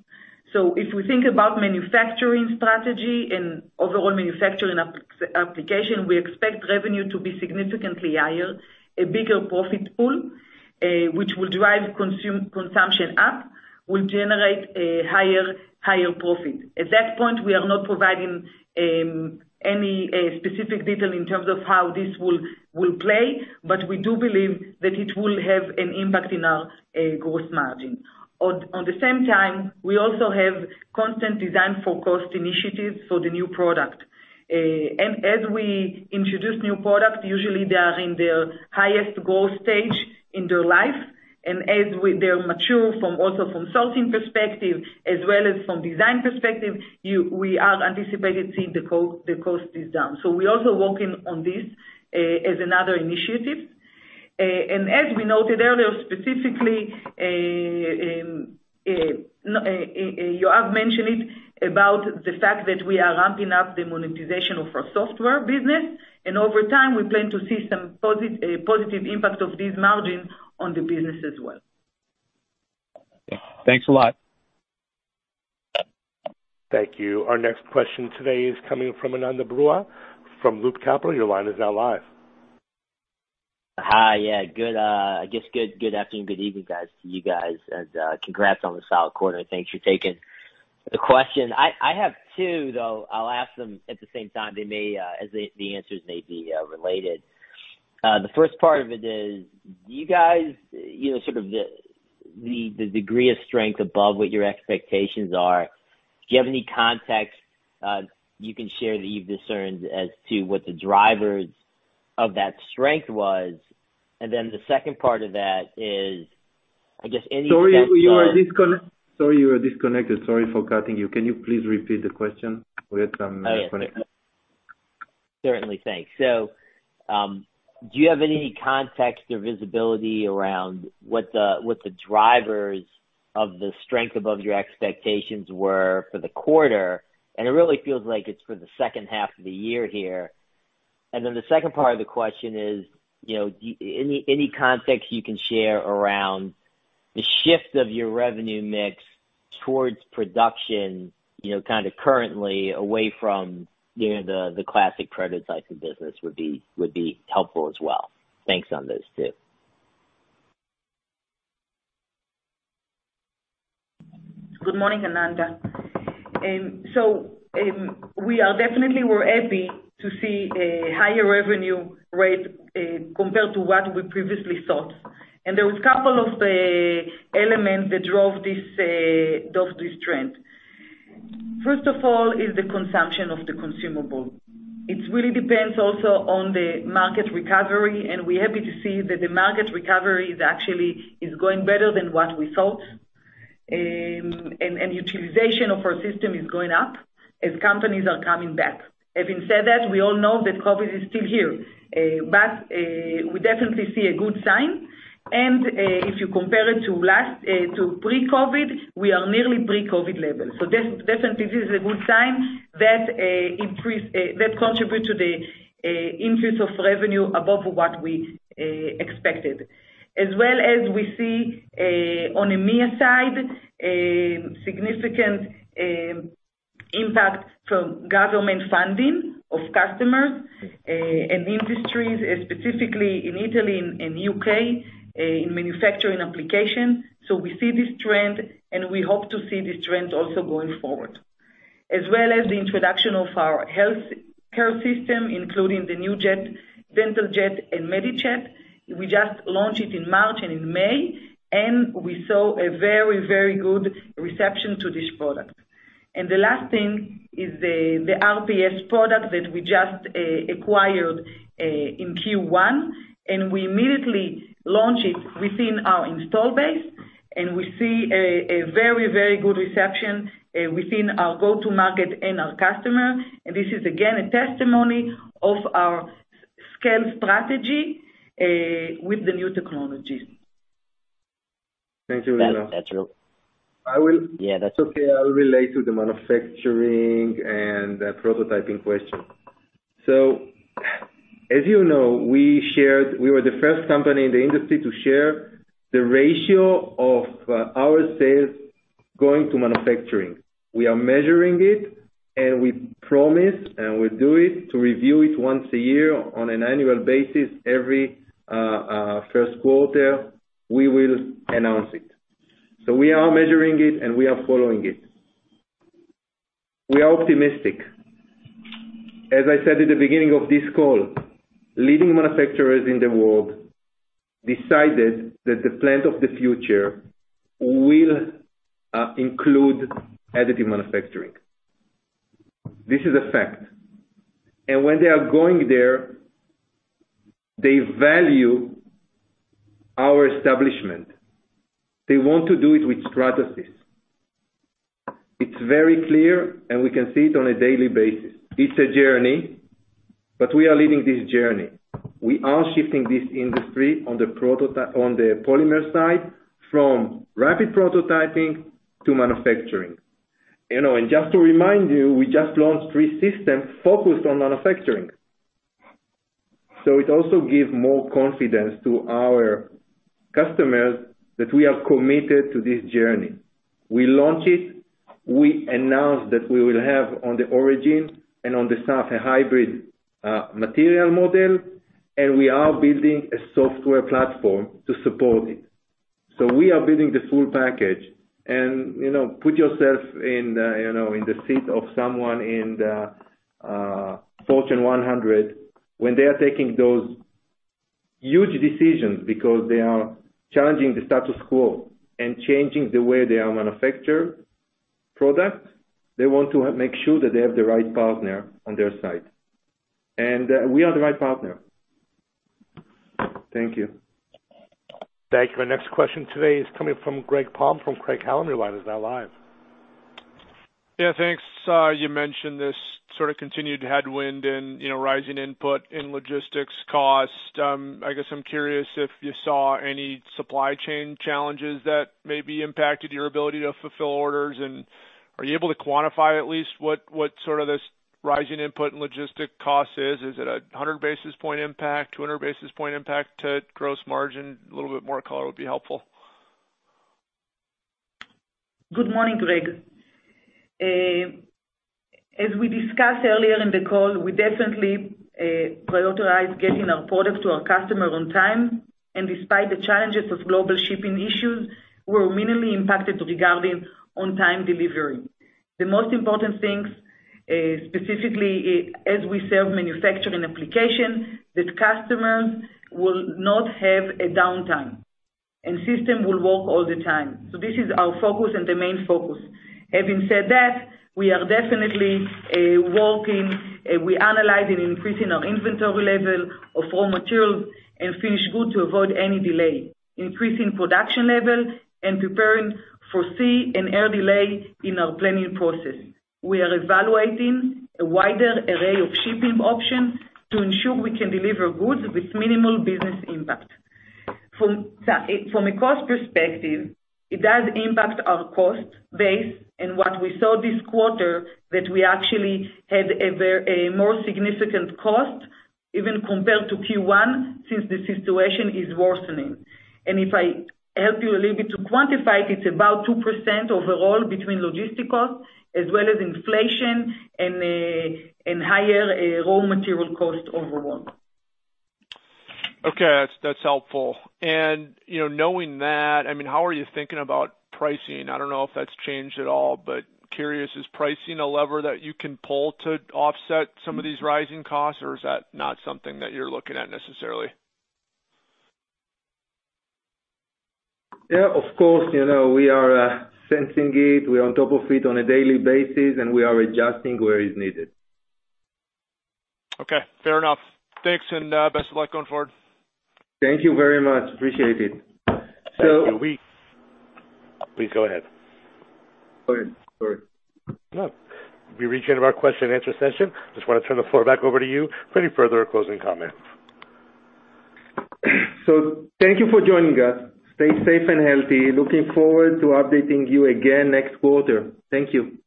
If we think about manufacturing strategy and overall manufacturing application, we expect revenue to be significantly higher, a bigger profit pool, which will drive consumption up, will generate a higher profit. At that point, we are not providing any specific detail in terms of how this will play, but we do believe that it will have an impact in our gross margin. At the same time, we also have constant design for cost initiatives for the new product. As we introduce new products, usually they are in their highest growth stage in their life. As they're mature from also from sourcing perspective as well as from design perspective, we are anticipating seeing the cost is down. We're also working on this, as another initiative. As we noted earlier, specifically, Yoav mentioned it about the fact that we are ramping up the monetization of our software business, and over time, we plan to see some positive impact of these margins on the business as well. Thanks a lot. Thank you. Our next question today is coming from Ananda Baruah from Loop Capital. Your line is now live. Hi. Yeah. I guess good afternoon, good evening, to you guys. Congrats on the solid quarter. Thanks for taking the question. I have two, though. I'll ask them at the same time. The answers may be related. The first part of it is, you guys, sort of the degree of strength above what your expectations are, do you have any context you can share that you've discerned as to what the drivers of that strength was? The second part of that is, I guess any sense on. Sorry, you are disconnected. Sorry for cutting you. Can you please repeat the question? We had some connection. Oh, yeah. Certainly. Thanks. Do you have any context or visibility around what the drivers of the strength above your expectations were for the quarter? It really feels like it's for the second half of the year here. The second part of the question is, any context you can share around the shift of your revenue mix towards production, kind of currently away from the classic prototypes of business would be helpful as well. Thanks on those two. Good morning, Ananda. We are definitely were happy to see a higher revenue rate compared to what we previously thought. There was couple of elements that drove this trend. First of all is the consumption of the consumable. It really depends also on the market recovery, and we're happy to see that the market recovery is actually going better than what we thought. Utilization of our system is going up as companies are coming back. Having said that, we all know that COVID is still here. We definitely see a good sign, and if you compare it to pre-COVID, we are nearly pre-COVID level. Definitely this is a good sign that contribute to the increase of revenue above what we expected. We see, on EMEA side, a significant impact from government funding of customers, and industries specifically in Italy and U.K., in manufacturing application. We see this trend, and we hope to see this trend also going forward. The introduction of our healthcare system, including the new jet, Dental Jet and MediJet. We just launched it in March and in May, and we saw a very, very good reception to this product. The last thing is the RPS product that we just acquired, in Q1, and we immediately launch it within our install base, and we see a very, very good reception within our go-to market and our customer, and this is again a testimony of our scale strategy, with the new technology. Thank you, Lilach. Yeah, that's okay. As you know, we were the first company in the industry to share the ratio of our sales going to manufacturing. We are measuring it, and we promise, and we do it to review it once a year on an annual basis. Every first quarter, we will announce it. We are measuring it, and we are following it. We are optimistic. As I said at the beginning of this call, leading manufacturers in the world decided that the plant of the future will include additive manufacturing. This is a fact. When they are going there, they value our establishment. They want to do it with Stratasys. It's very clear, and we can see it on a daily basis. It's a journey, but we are leading this journey. We are shifting this industry on the polymer side from rapid prototyping to manufacturing. Just to remind you, we just launched three systems focused on manufacturing. It also gives more confidence to our customers that we are committed to this journey. We launch it, we announce that we will have on the Origin and on the SAF a hybrid material model, and we are building a software platform to support it. We are building the full package and put yourself in the seat of someone in the Fortune 100 when they are taking those huge decisions because they are challenging the status quo and changing the way they manufacture products. They want to make sure that they have the right partner on their side. We are the right partner. Thank you. Thank you. Our next question today is coming from Greg Palm from Craig-Hallum. Your line is now live. Yeah, thanks. You mentioned this sort of continued headwind and rising input and logistics cost. I guess I'm curious if you saw any supply chain challenges that maybe impacted your ability to fulfill orders. Are you able to quantify at least what sort of this rising input and logistics cost is? Is it 100 basis point impact, 200 basis point impact to gross margin? A little bit more color would be helpful. Good morning, Greg. As we discussed earlier in the call, we definitely prioritize getting our product to our customer on time, and despite the challenges of global shipping issues, we're minimally impacted regarding on-time delivery. The most important things, specifically as we serve manufacturing application, that customers will not have a downtime, and system will work all the time. This is our focus and the main focus. Having said that, we are definitely working, we analyzing increasing our inventory level of raw materials and finished goods to avoid any delay, increasing production levels, and preparing for sea and air delay in our planning process. We are evaluating a wider array of shipping options to ensure we can deliver goods with minimal business impact. From a cost perspective, it does impact our cost base. What we saw this quarter, that we actually had a more significant cost even compared to Q1, since the situation is worsening. If I help you a little bit to quantify it's about 2% overall between logistics cost as well as inflation and higher raw material cost overall. Okay. That's helpful. Knowing that, how are you thinking about pricing? I don't know if that's changed at all, but curious, is pricing a lever that you can pull to offset some of these rising costs, or is that not something that you're looking at necessarily? Yeah, of course. We are sensing it. We're on top of it on a daily basis, and we are adjusting where is needed. Okay, fair enough. Thanks, and best of luck going forward. Thank you very much. Appreciate it. Thank you. Please go ahead. Go ahead. Sorry. No. We've reached the end of our question and answer session. We just want to turn the floor back over to you for any further closing comments. Thank you for joining us. Stay safe and healthy. Looking forward to updating you again next quarter. Thank you.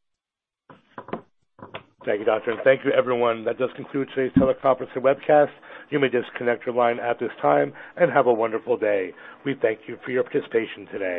Thank you. Thank you, everyone. That does conclude today's teleconference and webcast. You may disconnect your line at this time, and have a wonderful day. We thank you for your participation today.